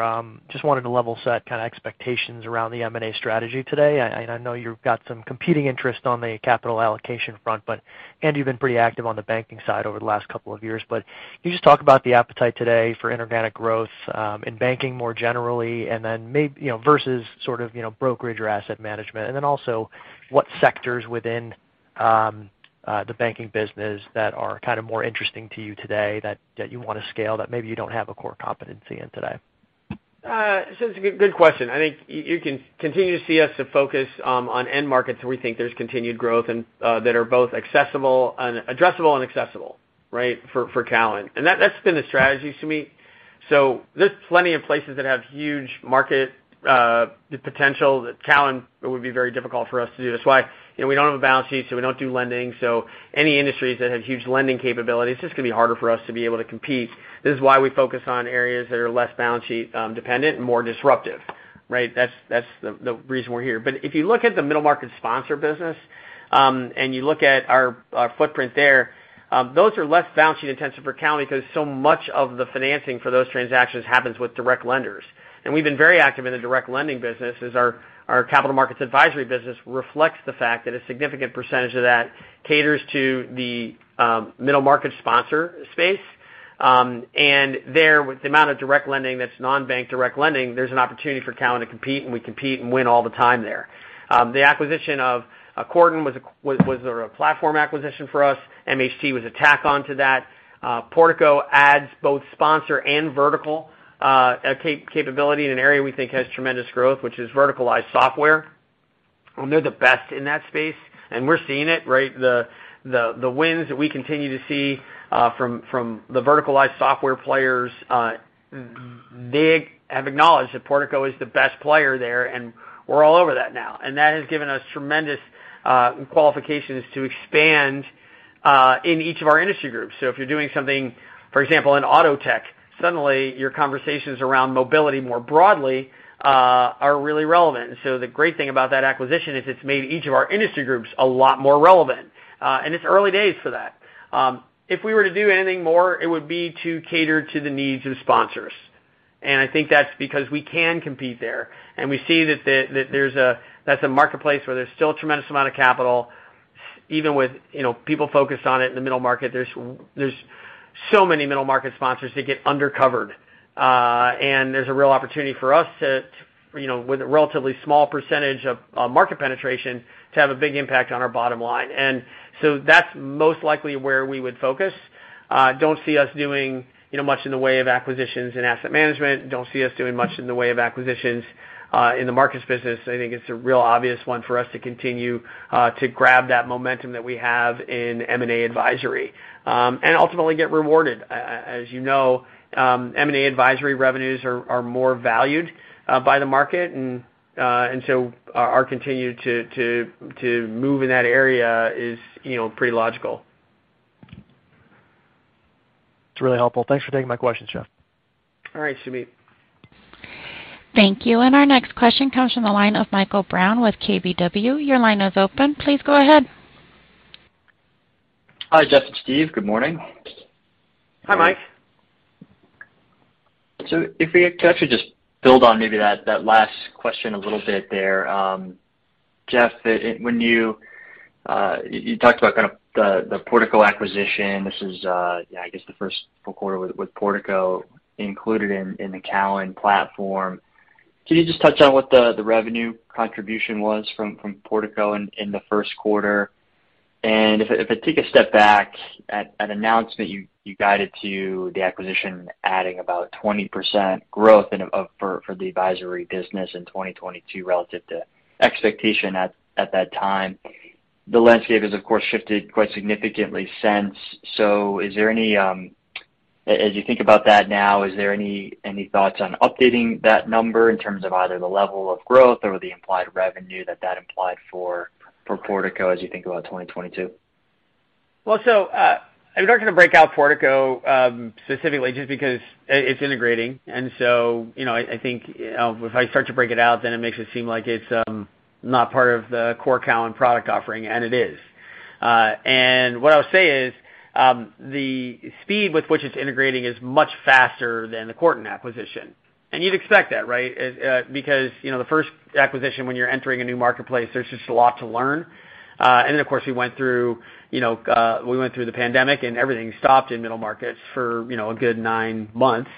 Just wanted to level set kind of expectations around the M&A strategy today. I know you've got some competing interest on the capital allocation front, but. You've been pretty active on the banking side over the last couple of years. But can you just talk about the appetite today for inorganic growth in banking more generally and then you know, versus sort of, you know, brokerage or asset management? Then also what sectors within the banking business that are kind of more interesting to you today that you wanna scale that maybe you don't have a core competency in today? It's a good question. I think you can continue to see us to focus on end markets where we think there's continued growth and that are both accessible and addressable, right, for Cowen. That's been the strategy, Sumeet. There's plenty of places that have huge market potential that Cowen, it would be very difficult for us to do. That's why, you know, we don't have a balance sheet, so we don't do lending. Any industries that have huge lending capabilities, it's just gonna be harder for us to be able to compete. This is why we focus on areas that are less balance sheet dependent and more disruptive, right? That's the reason we're here. If you look at the middle market sponsor business, and you look at our footprint there, those are less balance sheet intensive for Cowen because so much of the financing for those transactions happens with direct lenders. We've been very active in the direct lending business as our capital markets advisory business reflects the fact that a significant percentage of that caters to the middle market sponsor space. There, with the amount of direct lending that's non-bank direct lending, there's an opportunity for Cowen to compete, and we compete and win all the time there. The acquisition of Quarton was a platform acquisition for us. MHT was a tack-on to that. Portico adds both sponsor and vertical capability in an area we think has tremendous growth, which is verticalized software, and they're the best in that space, and we're seeing it, right? The wins that we continue to see from the verticalized software players, they have acknowledged that Portico is the best player there, and we're all over that now. That has given us tremendous qualifications to expand in each of our industry groups. If you're doing something, for example, in auto tech, suddenly your conversations around mobility more broadly are really relevant. The great thing about that acquisition is it's made each of our industry groups a lot more relevant. It's early days for that. If we were to do anything more, it would be to cater to the needs of sponsors, and I think that's because we can compete there. We see that there's a marketplace where there's still a tremendous amount of capital, even with, you know, people focused on it in the middle market. There's so many middle market sponsors that get undercovered, and there's a real opportunity for us to, you know, with a relatively small percentage of market penetration, to have a big impact on our bottom line. That's most likely where we would focus. Don't see us doing, you know, much in the way of acquisitions in asset management. Don't see us doing much in the way of acquisitions in the markets business. I think it's a real obvious one for us to continue to grab that momentum that we have in M&A advisory and ultimately get rewarded. As you know, M&A advisory revenues are more valued by the market and so our continue to move in that area is, you know, pretty logical. It's really helpful. Thanks for taking my questions, Jeff. All right, Sumeet. Thank you. Our next question comes from the line of Michael Brown with KBW. Your line is open. Please go ahead. Hi, Jeff and Steve. Good morning. Hi, Mike. If we could actually just build on maybe the last question a little bit there. Jeff, when you talked about kind of the Portico acquisition. This is, I guess, the first full quarter with Portico included in the Cowen platform. Can you just touch on what the revenue contribution was from Portico in the first quarter? If I take a step back to an announcement, you guided to the acquisition adding about 20% growth for the advisory business in 2022 relative to expectations at that time. The landscape has of course shifted quite significantly since. As you think about that now, is there any thoughts on updating that number in terms of either the level of growth or the implied revenue that implied for Portico as you think about 2022? Well, I'm not gonna break out Portico specifically just because it's integrating. You know, I think, you know, if I start to break it out, then it makes it seem like it's not part of the core Cowen product offering, and it is. What I'll say is the speed with which it's integrating is much faster than the Quarton acquisition. You'd expect that, right? Because, you know, the first acquisition when you're entering a new marketplace, there's just a lot to learn. Of course, we went through, you know, the pandemic and everything stopped in middle markets for, you know, a good nine months.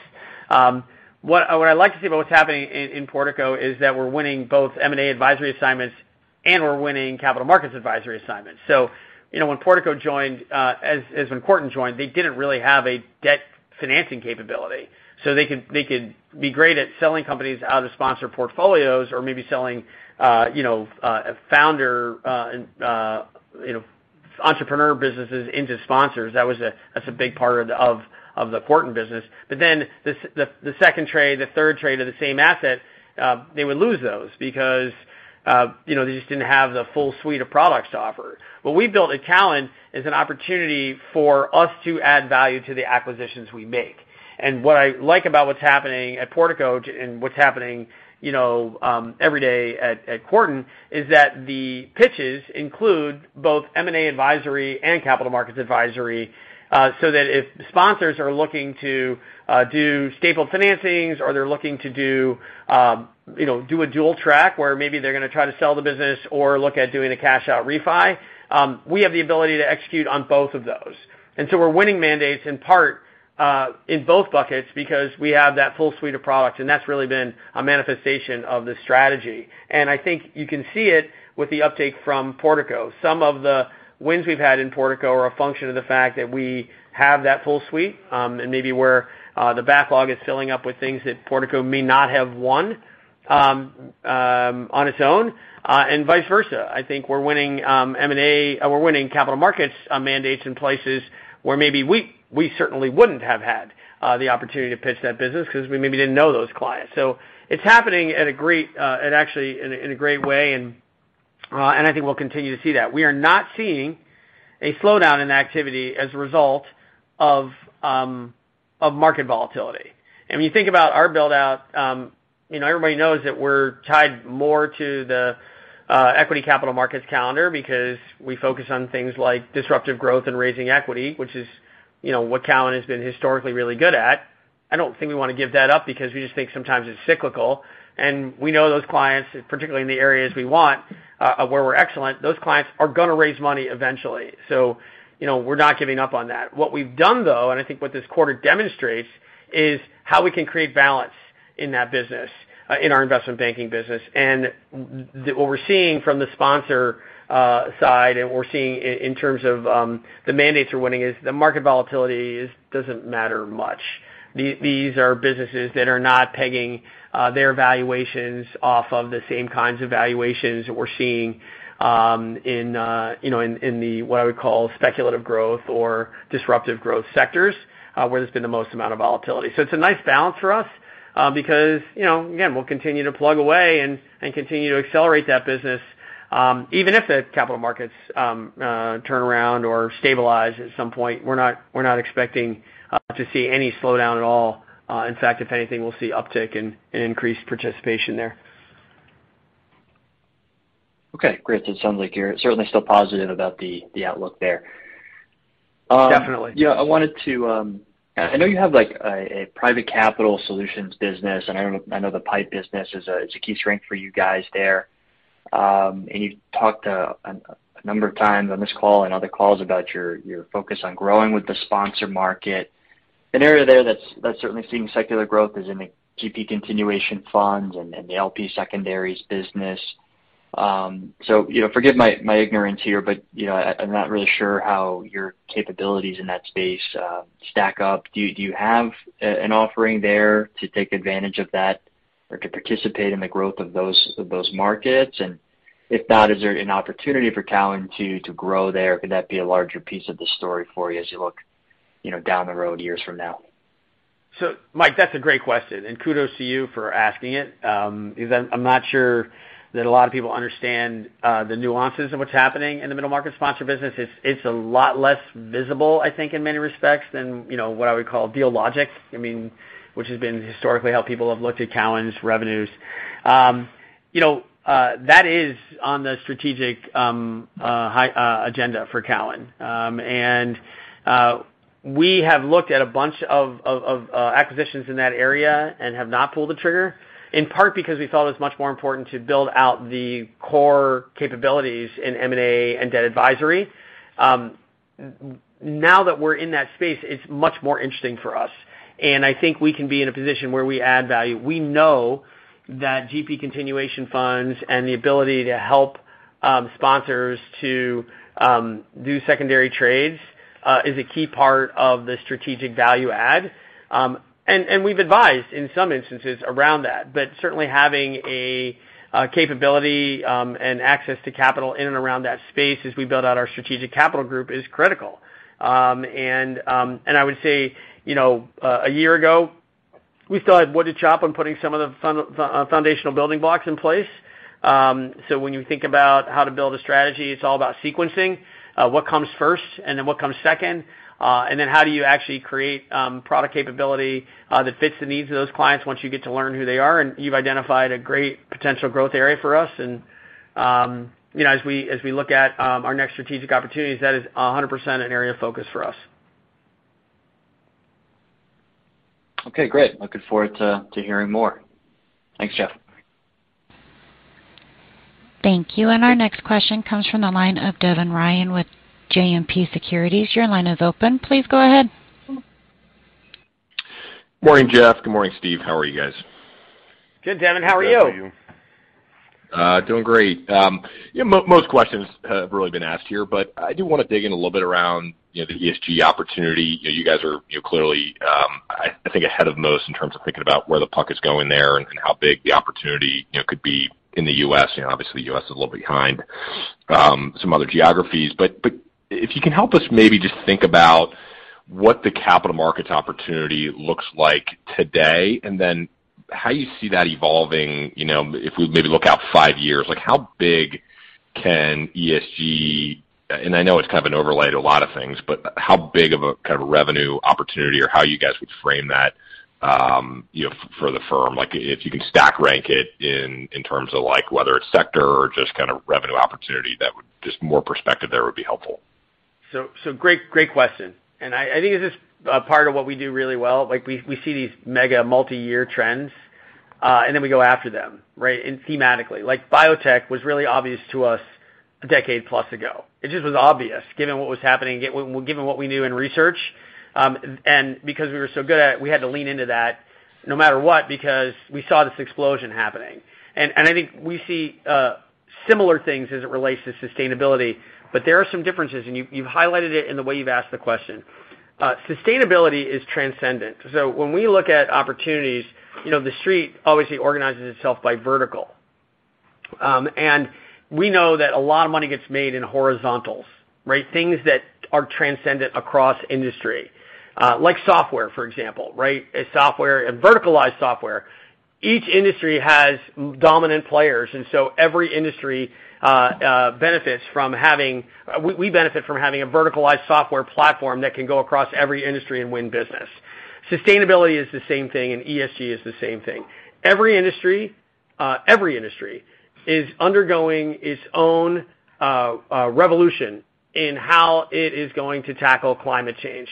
What I like to see about what's happening in Portico is that we're winning both M&A advisory assignments, and we're winning capital markets advisory assignments. You know, when Portico joined, when Cowen joined, they didn't really have a debt financing capability. They could be great at selling companies out of sponsor portfolios or maybe selling a founder and entrepreneur businesses into sponsors. That's a big part of the Cowen business. Then the second trade, the third trade of the same asset, they would lose those because they just didn't have the full suite of products to offer. What we built at Cowen is an opportunity for us to add value to the acquisitions we make. What I like about what's happening at Portico and what's happening, you know, every day at Cowen, is that the pitches include both M&A advisory and capital markets advisory, so that if sponsors are looking to do stapled financings or they're looking to do, you know, do a dual track where maybe they're gonna try to sell the business or look at doing a cash out refi, we have the ability to execute on both of those. We're winning mandates in part in both buckets because we have that full suite of products, and that's really been a manifestation of the strategy. I think you can see it with the update from Portico. Some of the wins we've had in Portico are a function of the fact that we have that full suite, and maybe where the backlog is filling up with things that Portico may not have won on its own, and vice versa. I think we're winning M&A or we're winning capital markets mandates in places where maybe we certainly wouldn't have had the opportunity to pitch that business 'cause we maybe didn't know those clients. It's happening in a great way and I think we'll continue to see that. We are not seeing a slowdown in activity as a result of market volatility. When you think about our build-out, you know, everybody knows that we're tied more to the equity capital markets calendar because we focus on things like disruptive growth and raising equity, which is, you know, what Cowen has been historically really good at. I don't think we wanna give that up because we just think sometimes it's cyclical, and we know those clients, particularly in the areas we want, where we're excellent, those clients are gonna raise money eventually. You know, we're not giving up on that. What we've done, though, and I think what this quarter demonstrates, is how we can create balance in that business, in our investment banking business. What we're seeing from the sponsor side, and we're seeing in terms of the mandates we're winning is the market volatility doesn't matter much. These are businesses that are not pegging their valuations off of the same kinds of valuations that we're seeing, you know, in the what I would call speculative growth or disruptive growth sectors, where there's been the most amount of volatility. It's a nice balance for us, because, you know, again, we'll continue to plug away and continue to accelerate that business. Even if the capital markets turn around or stabilize at some point, we're not expecting to see any slowdown at all. In fact, if anything, we'll see uptick in increased participation there. Okay, great. It sounds like you're certainly still positive about the outlook there. Definitely. Yeah, I wanted to, I know you have, like, a private capital solutions business, and I know the pipe business is a, it's a key strength for you guys there. And you've talked a number of times on this call and other calls about your focus on growing with the sponsor market. An area there that's certainly seeing secular growth is in the GP continuation funds and the LP secondaries business. So, you know, forgive my ignorance here, but, you know, I'm not really sure how your capabilities in that space stack up. Do you have an offering there to take advantage of that or to participate in the growth of those markets? And if not, is there an opportunity for Cowen to grow there? Could that be a larger piece of the story for you as you look, you know, down the road years from now? Mike, that's a great question, and kudos to you for asking it, because I'm not sure that a lot of people understand the nuances of what's happening in the middle market sponsor business. It's a lot less visible, I think, in many respects than, you know, what I would call Dealogic. I mean, which has been historically how people have looked at Cowen's revenues. You know, that is on the strategic agenda for Cowen. We have looked at a bunch of acquisitions in that area and have not pulled the trigger, in part because we felt it was much more important to build out the core capabilities in M&A and debt advisory. Now that we're in that space, it's much more interesting for us, and I think we can be in a position where we add value. We know that GP continuation funds and the ability to help sponsors to do secondary trades is a key part of the strategic value add. We've advised in some instances around that, but certainly having a capability and access to capital in and around that space as we build out our strategic capital group is critical. I would say, you know, a year ago, we still had wood to chop on putting some of the foundational building blocks in place. So when you think about how to build a strategy, it's all about sequencing, what comes first and then what comes second, and then how do you actually create product capability that fits the needs of those clients once you get to learn who they are, and you've identified a great potential growth area for us. You know, as we look at our next strategic opportunities, that is 100% an area of focus for us. Okay, great. Looking forward to hearing more. Thanks, Jeff. Thank you. Our next question comes from the line of Devin Ryan with JMP Securities. Your line is open. Please go ahead. Morning, Jeff. Good morning, Steve. How are you guys? Good, Devin, how are you? Good. How are you? Doing great. Yeah, most questions have really been asked here, but I do wanna dig in a little bit around, you know, the ESG opportunity. You know, you guys are, you know, clearly, I think ahead of most in terms of thinking about where the puck is going there and how big the opportunity, you know, could be in the U.S. You know, obviously, U.S. is a little behind some other geographies. But if you can help us maybe just think about what the capital markets opportunity looks like today, and then how you see that evolving, you know, if we maybe look out five years, like how big can ESG. I know it's kind of an overlay to a lot of things, but how big of a kind of revenue opportunity or how you guys would frame that, you know, for the firm, like if you can stack rank it in terms of like whether it's sector or just kind of revenue opportunity that would. Just more perspective there would be helpful. Great question. I think this is part of what we do really well. Like we see these mega multi-year trends, and then we go after them, right? And thematically. Like biotech was really obvious to us a decade plus ago. It just was obvious given what was happening, given what we knew in research. Because we were so good at it, we had to lean into that no matter what because we saw this explosion happening. I think we see similar things as it relates to sustainability, but there are some differences, and you've highlighted it in the way you've asked the question. Sustainability is transcendent. When we look at opportunities, you know, The Street obviously organizes itself by vertical. We know that a lot of money gets made in horizontals, right? Things that are transcendent across industry, like software, for example, right? A software, a verticalized software. Each industry has dominant players, and so every industry benefits from having. We benefit from having a verticalized software platform that can go across every industry and win business. Sustainability is the same thing, and ESG is the same thing. Every industry is undergoing its own revolution in how it is going to tackle climate change.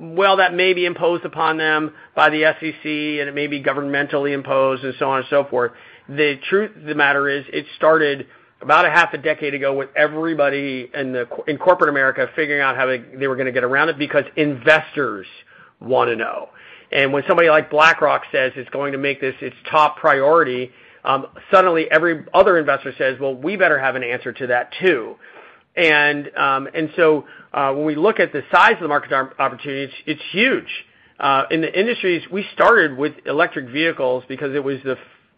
While that may be imposed upon them by the SEC and it may be governmentally imposed and so on and so forth, the truth of the matter is it started about a half a decade ago with everybody in the in corporate America figuring out how they were gonna get around it because investors wanna know. When somebody like BlackRock says it's going to make this its top priority, suddenly every other investor says, "Well, we better have an answer to that too." When we look at the size of the market opportunity, it's huge. In the industries, we started with electric vehicles because it was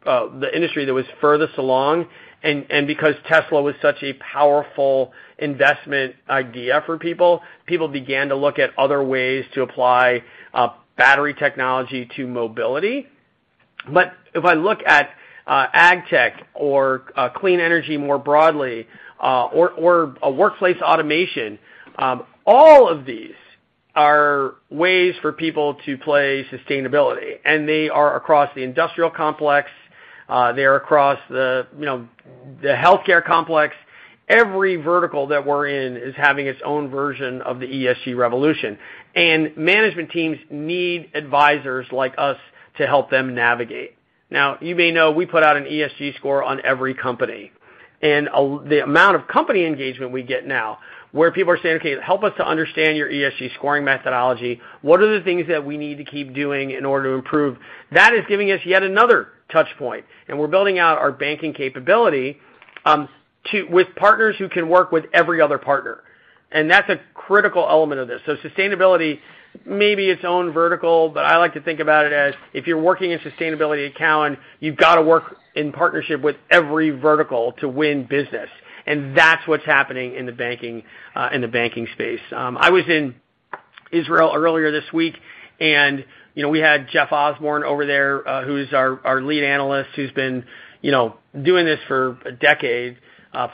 the industry that was furthest along, and because Tesla was such a powerful investment idea for people began to look at other ways to apply battery technology to mobility. If I look at AgTech or clean energy more broadly, or workplace automation, all of these are ways for people to play sustainability. They are across the industrial complex, they are across, you know, the healthcare complex. Every vertical that we're in is having its own version of the ESG revolution. Management teams need advisors like us to help them navigate. Now, you may know we put out an ESG score on every company. The amount of company engagement we get now, where people are saying, "Okay, help us to understand your ESG scoring methodology. What are the things that we need to keep doing in order to improve?" That is giving us yet another touch point, and we're building out our banking capability with partners who can work with every other partner. That's a critical element of this. Sustainability may be its own vertical, but I like to think about it as if you're working in sustainability at Cowen, you've got to work in partnership with every vertical to win business. That's what's happening in the banking space. I was in Israel earlier this week, and, you know, we had Jeff Osborne over there, who's our lead analyst, who's been, you know, doing this for a decade,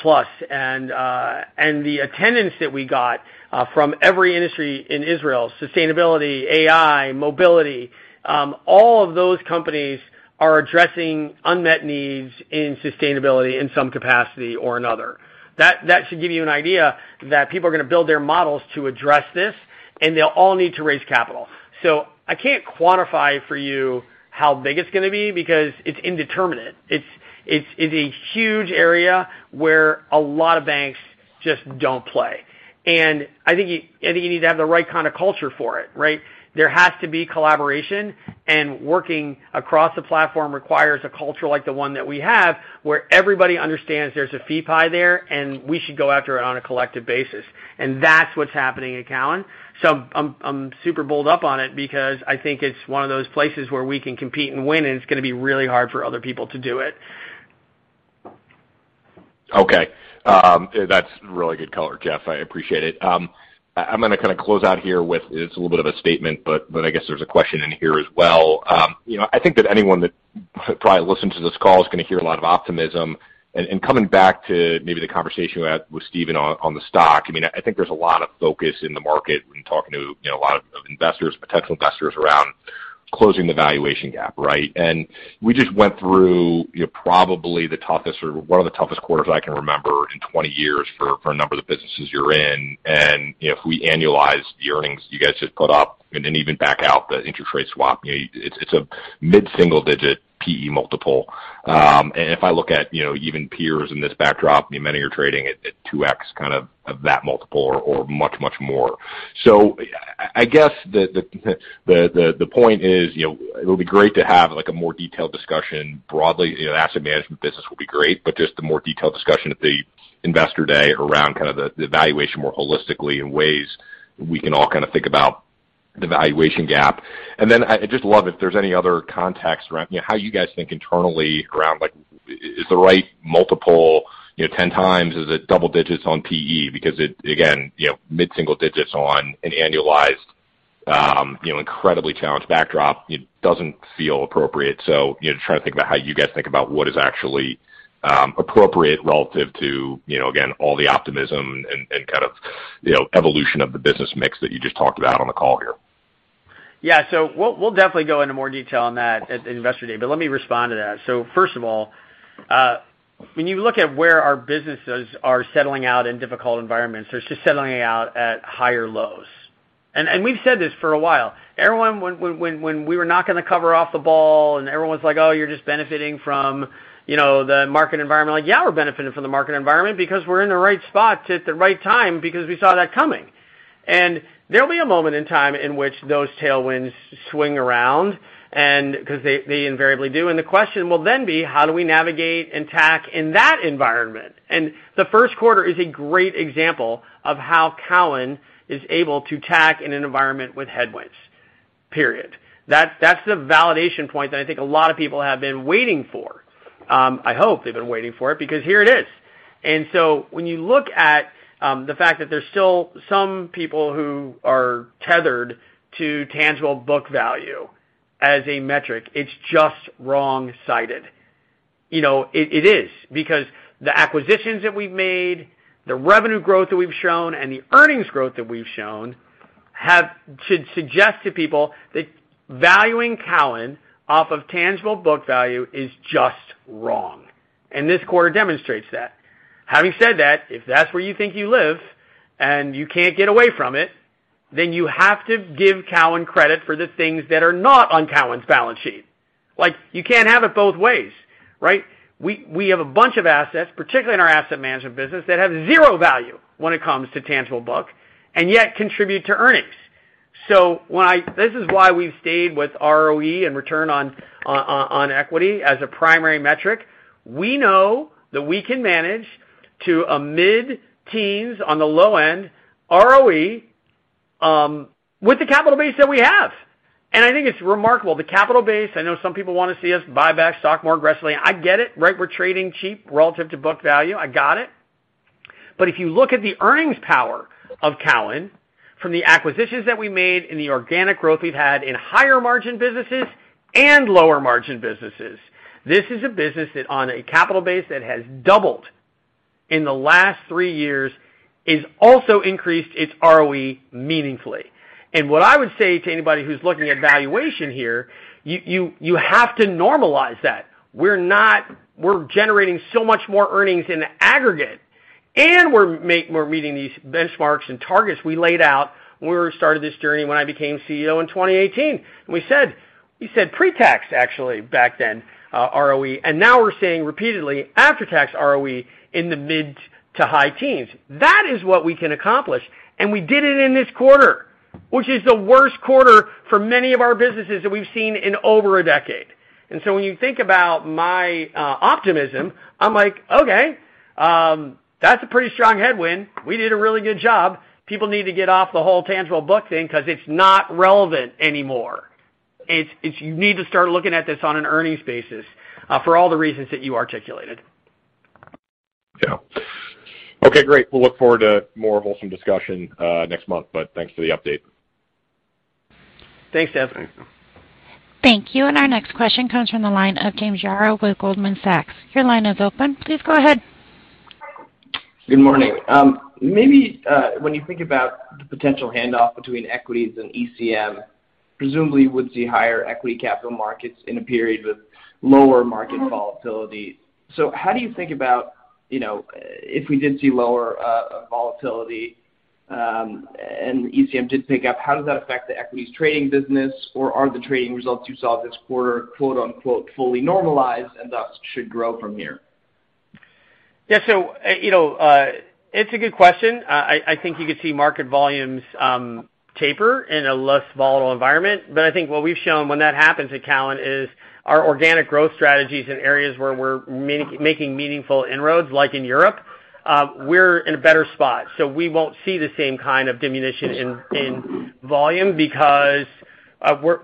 plus. The attendance that we got from every industry in Israel, sustainability, AI, mobility, all of those companies are addressing unmet needs in sustainability in some capacity or another. That should give you an idea that people are gonna build their models to address this, and they'll all need to raise capital. I can't quantify for you how big it's gonna be because it's indeterminate. It's a huge area where a lot of banks just don't play. I think you need to have the right kind of culture for it, right? There has to be collaboration, and working across the platform requires a culture like the one that we have, where everybody understands there's a fee pie there, and we should go after it on a collective basis. That's what's happening at Cowen. I'm super bulled up on it because I think it's one of those places where we can compete and win, and it's gonna be really hard for other people to do it. Okay. That's really good color, Jeff. I appreciate it. I'm gonna kind of close out here with, it's a little bit of a statement, but I guess there's a question in here as well. You know, I think that anyone that probably listens to this call is gonna hear a lot of optimism. Coming back to maybe the conversation we had with Stephen on the stock, I mean, I think there's a lot of focus in the market when talking to, you know, a lot of investors, potential investors around closing the valuation gap, right? We just went through, you know, probably the toughest or one of the toughest quarters I can remember in 20 years for a number of the businesses you're in. You know, if we annualize the earnings you guys just put up and even back out the interest rate swap, you know, it's a mid-single digit P/E multiple. If I look at, you know, even peers in this backdrop, I mean, many are trading at 2x kind of of that multiple or much more. I guess the point is, you know, it'll be great to have, like, a more detailed discussion broadly. You know, asset management business will be great, but just the more detailed discussion at the Investor Day around kind of the valuation more holistically and ways we can all kind of think about the valuation gap. I'd just love if there's any other context around, you know, how you guys think internally around, like, is the right multiple, you know, 10x? Is it double digits on PE? Because it, again, you know, mid-single digits on an annualized, you know, incredibly challenged backdrop, it doesn't feel appropriate. You know, trying to think about how you guys think about what is actually appropriate relative to, you know, again, all the optimism and kind of, you know, evolution of the business mix that you just talked about on the call here. Yeah, we'll definitely go into more detail on that at Investor Day, but let me respond to that. First of all, when you look at where our businesses are settling out in difficult environments, they're just settling out at higher lows. We've said this for a while. Everyone, when we were not gonna drop the ball and everyone's like, "Oh, you're just benefiting from, you know, the market environment." Like, yeah, we're benefiting from the market environment because we're in the right spot at the right time because we saw that coming. There'll be a moment in time in which those tailwinds swing around and because they invariably do. The question will then be, how do we navigate and tack in that environment? The first quarter is a great example of how Cowen is able to tack in an environment with headwinds. That's the validation point that I think a lot of people have been waiting for. I hope they've been waiting for it because here it is. When you look at the fact that there's still some people who are tethered to tangible book value as a metric, it's just wrong-sided. You know, it is. Because the acquisitions that we've made, the revenue growth that we've shown, and the earnings growth that we've shown have should suggest to people that valuing Cowen off of tangible book value is just wrong. This quarter demonstrates that. Having said that, if that's where you think you live and you can't get away from it, then you have to give Cowen credit for the things that are not on Cowen's balance sheet. Like, you can't have it both ways, right? We have a bunch of assets, particularly in our asset management business, that have zero value when it comes to tangible book and yet contribute to earnings. So this is why we've stayed with ROE and return on equity as a primary metric. We know that we can manage to a mid-teens on the low end ROE with the capital base that we have. I think it's remarkable. The capital base, I know some people want to see us buy back stock more aggressively. I get it, right? We're trading cheap relative to book value. I got it. If you look at the earnings power of Cowen from the acquisitions that we made and the organic growth we've had in higher margin businesses and lower margin businesses, this is a business that on a capital base that has doubled in the last three years, is also increased its ROE meaningfully. What I would say to anybody who's looking at valuation here, you have to normalize that. We're generating so much more earnings in aggregate, and we're meeting these benchmarks and targets we laid out when we started this journey when I became CEO in 2018. We said pre-tax actually back then, ROE, and now we're saying repeatedly after tax ROE in the mid- to high teens. That is what we can accomplish, and we did it in this quarter, which is the worst quarter for many of our businesses that we've seen in over a decade. When you think about my optimism, I'm like, okay, that's a pretty strong headwind. We did a really good job. People need to get off the whole tangible book thing because it's not relevant anymore. It's you need to start looking at this on an earnings basis, for all the reasons that you articulated. Yeah. Okay, great. We'll look forward to more wholesome discussion next month, but thanks for the update. Thanks, Jeff. Thanks. Thank you. Our next question comes from the line of James Yaro with Goldman Sachs. Your line is open. Please go ahead. Good morning. Maybe when you think about the potential handoff between equities and ECM, presumably you would see higher equity capital markets in a period with lower market volatility. How do you think about, you know, if we did see lower volatility and ECM did pick up. How does that affect the equities trading business, or are the trading results you saw this quarter, quote-unquote, "fully normalized," and thus should grow from here? Yeah. You know, it's a good question. I think you could see market volumes taper in a less volatile environment. I think what we've shown when that happens at Cowen is our organic growth strategies in areas where we're making meaningful inroads, like in Europe, we're in a better spot. We won't see the same kind of diminution in volume because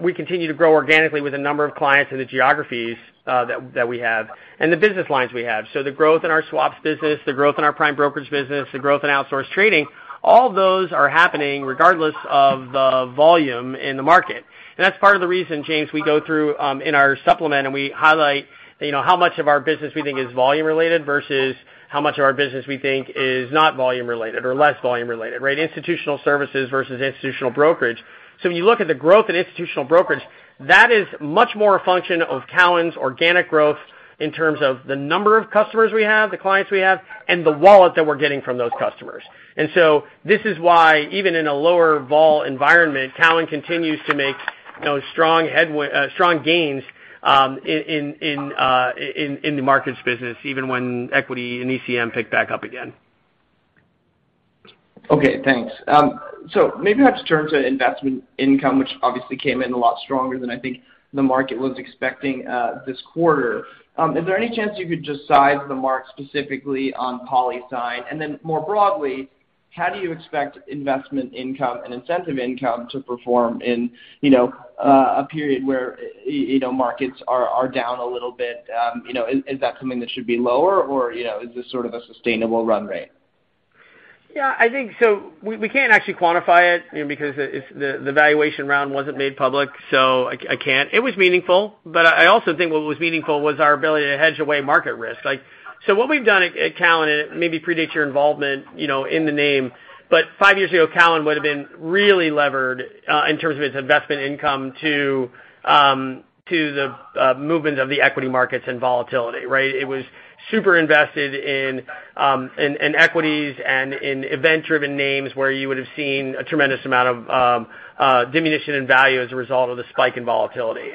we continue to grow organically with a number of clients in the geographies that we have and the business lines we have. The growth in our swaps business, the growth in our prime brokerage business, the growth in our outsource trading, all those are happening regardless of the volume in the market. That's part of the reason, James, we go through in our supplement, and we highlight, you know, how much of our business we think is volume related versus how much of our business we think is not volume related or less volume related, right? Institutional services versus institutional brokerage. When you look at the growth in institutional brokerage, that is much more a function of Cowen's organic growth in terms of the number of customers we have, the clients we have, and the wallet that we're getting from those customers. This is why even in a lower vol environment, Cowen continues to make, you know, strong gains in the markets business even when equity and ECM pick back up again. Okay. Thanks. Maybe I have to turn to investment income, which obviously came in a lot stronger than I think the market was expecting, this quarter. Is there any chance you could just size the mark specifically on PolySign? And then more broadly, how do you expect investment income and incentive income to perform in, you know, a period where you know, markets are down a little bit? You know, is that something that should be lower or, you know, is this sort of a sustainable run rate? Yeah, I think so we can't actually quantify it, you know, because it's the valuation round wasn't made public, so I can't. It was meaningful, but I also think what was meaningful was our ability to hedge away market risk. Like, so what we've done at Cowen, and it maybe predates your involvement, you know, in the name, but five years ago, Cowen would've been really levered in terms of its investment income to the movements of the equity markets and volatility, right? It was super invested in equities and in event-driven names where you would've seen a tremendous amount of diminution in value as a result of the spike in volatility.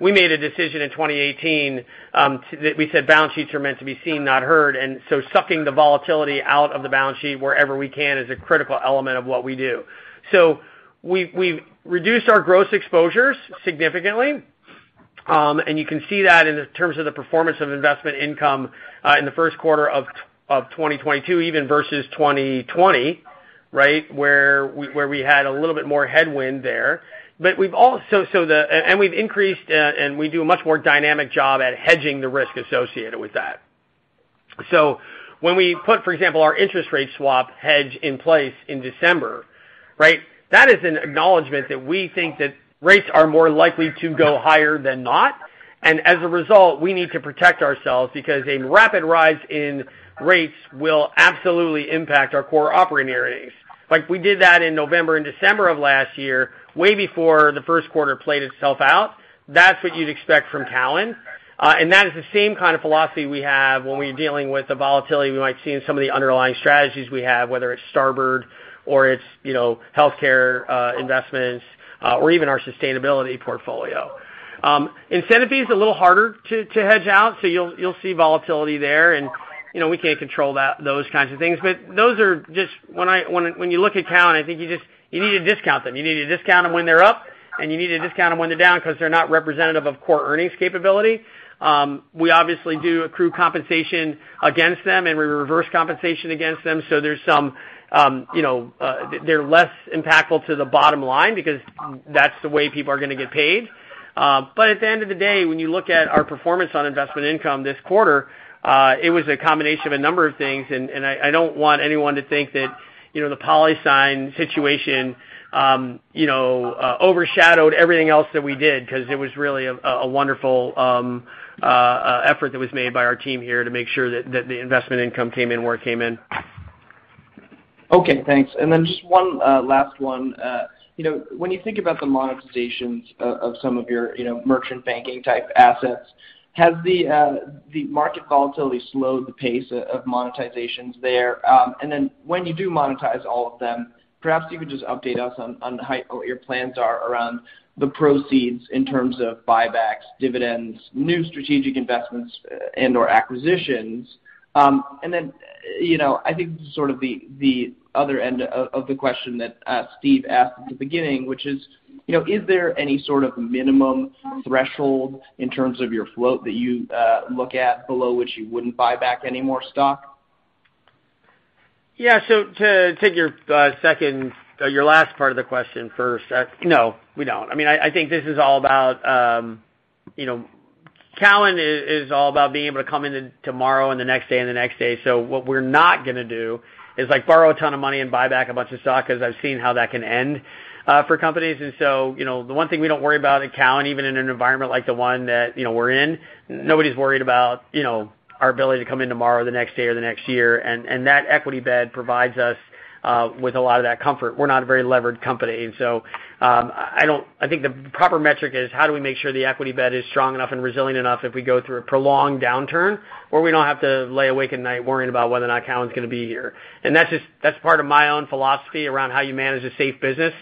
We made a decision in 2018 to We said balance sheets are meant to be seen, not heard, and so sucking the volatility out of the balance sheet wherever we can is a critical element of what we do. We've reduced our gross exposures significantly, and you can see that in terms of the performance of investment income in the first quarter of 2022 even versus 2020, right? Where we had a little bit more headwind there. We've also increased, and we do a much more dynamic job at hedging the risk associated with that. When we put, for example, our interest rate swap hedge in place in December, right? That is an acknowledgment that we think that rates are more likely to go higher than not, and as a result, we need to protect ourselves because a rapid rise in rates will absolutely impact our core operating earnings. Like, we did that in November and December of last year, way before the first quarter played itself out. That's what you'd expect from Cowen, and that is the same kind of philosophy we have when we're dealing with the volatility we might see in some of the underlying strategies we have, whether it's Starboard or it's, you know, healthcare investments, or even our sustainability portfolio. Incentive fee is a little harder to hedge out, so you'll see volatility there and, you know, we can't control that, those kinds of things. Those are just. When you look at Cowen, I think you just need to discount them. You need to discount them when they're up, and you need to discount them when they're down because they're not representative of core earnings capability. We obviously do accrue compensation against them, and we reverse compensation against them, so there's some, they're less impactful to the bottom line because that's the way people are gonna get paid. At the end of the day, when you look at our performance on investment income this quarter, it was a combination of a number of things. I don't want anyone to think that, you know, the PolySign situation, you know, overshadowed everything else that we did because it was really a wonderful effort that was made by our team here to make sure that the investment income came in where it came in. Okay, thanks. Just one last one. You know, when you think about the monetizations of some of your, you know, merchant banking type assets, has the market volatility slowed the pace of monetizations there? When you do monetize all of them, perhaps you could just update us on what your plans are around the proceeds in terms of buybacks, dividends, new strategic investments and/or acquisitions. You know, I think sort of the other end of the question that Steve asked at the beginning, which is, you know, is there any sort of minimum threshold in terms of your float that you look at below which you wouldn't buy back any more stock? Yeah. So to take your second or your last part of the question first, no, we don't. I mean, I think this is all about, you know, Cowen is all about being able to come in tomorrow and the next day and the next day. What we're not gonna do is, like, borrow a ton of money and buy back a bunch of stock because I've seen how that can end for companies. You know, the one thing we don't worry about at Cowen, even in an environment like the one that, you know, we're in, nobody's worried about, you know, our ability to come in tomorrow or the next day or the next year. That equity bet provides us with a lot of that comfort. We're not a very levered company. I don't I think the proper metric is how do we make sure the equity bet is strong enough and resilient enough if we go through a prolonged downturn where we don't have to lay awake at night worrying about whether or not Cowen’s gonna be here. That's just part of my own philosophy around how you manage a safe business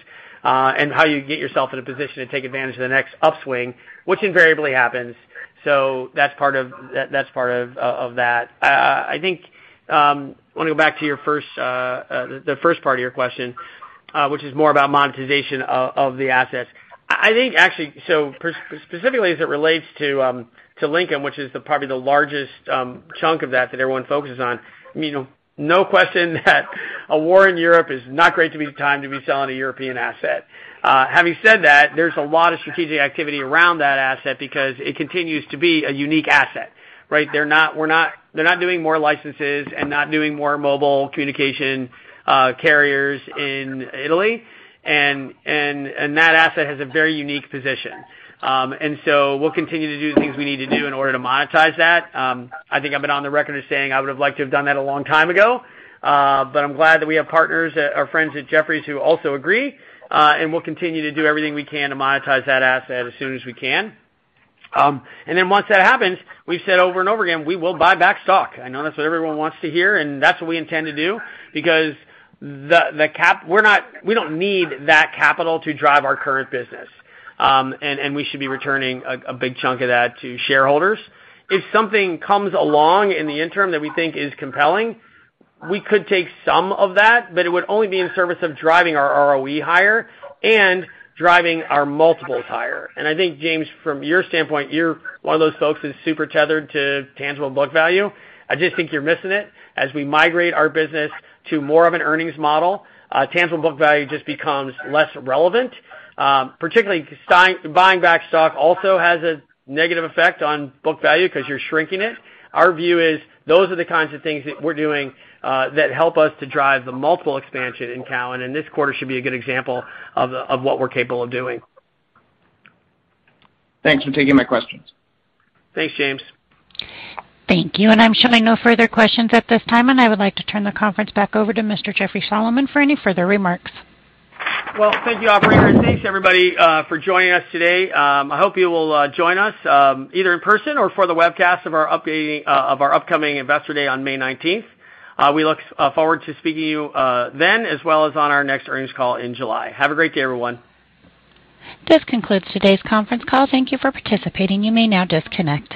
and how you get yourself in a position to take advantage of the next upswing, which invariably happens. That's part of that. I think I wanna go back to the first part of your question, which is more about monetization of the assets. I think actually specifically as it relates to Linkem, which is probably the largest chunk of that that everyone focuses on. I mean, no question that a war in Europe is not great to be the time to be selling a European asset. Having said that, there's a lot of strategic activity around that asset because it continues to be a unique asset, right? They're not doing more licenses and not doing more mobile communication carriers in Italy. That asset has a very unique position. We'll continue to do the things we need to do in order to monetize that. I think I've been on the record as saying I would have liked to have done that a long time ago, but I'm glad that we have partners that are friends at Jefferies who also agree. We'll continue to do everything we can to monetize that asset as soon as we can. Once that happens, we've said over and over again, we will buy back stock. I know that's what everyone wants to hear, and that's what we intend to do. Because we don't need that capital to drive our current business, and we should be returning a big chunk of that to shareholders. If something comes along in the interim that we think is compelling, we could take some of that, but it would only be in service of driving our ROE higher and driving our multiples higher. I think, James, from your standpoint, you're one of those folks that's super tethered to tangible book value. I just think you're missing it. As we migrate our business to more of an earnings model, tangible book value just becomes less relevant. Particularly 'cause buying back stock also has a negative effect on book value 'cause you're shrinking it. Our view is those are the kinds of things that we're doing that help us to drive the multiple expansion in Cowen, and this quarter should be a good example of what we're capable of doing. Thanks for taking my questions. Thanks, James. Thank you. I'm showing no further questions at this time, and I would like to turn the conference back over to Mr. Jeffrey Solomon for any further remarks. Well, thank you, operator. Thanks everybody for joining us today. I hope you will join us either in person or for the webcast of our upcoming Investor Day on May 19. We look forward to speaking to you then as well as on our next earnings call in July. Have a great day, everyone. This concludes today's conference call. Thank you for participating. You may now disconnect.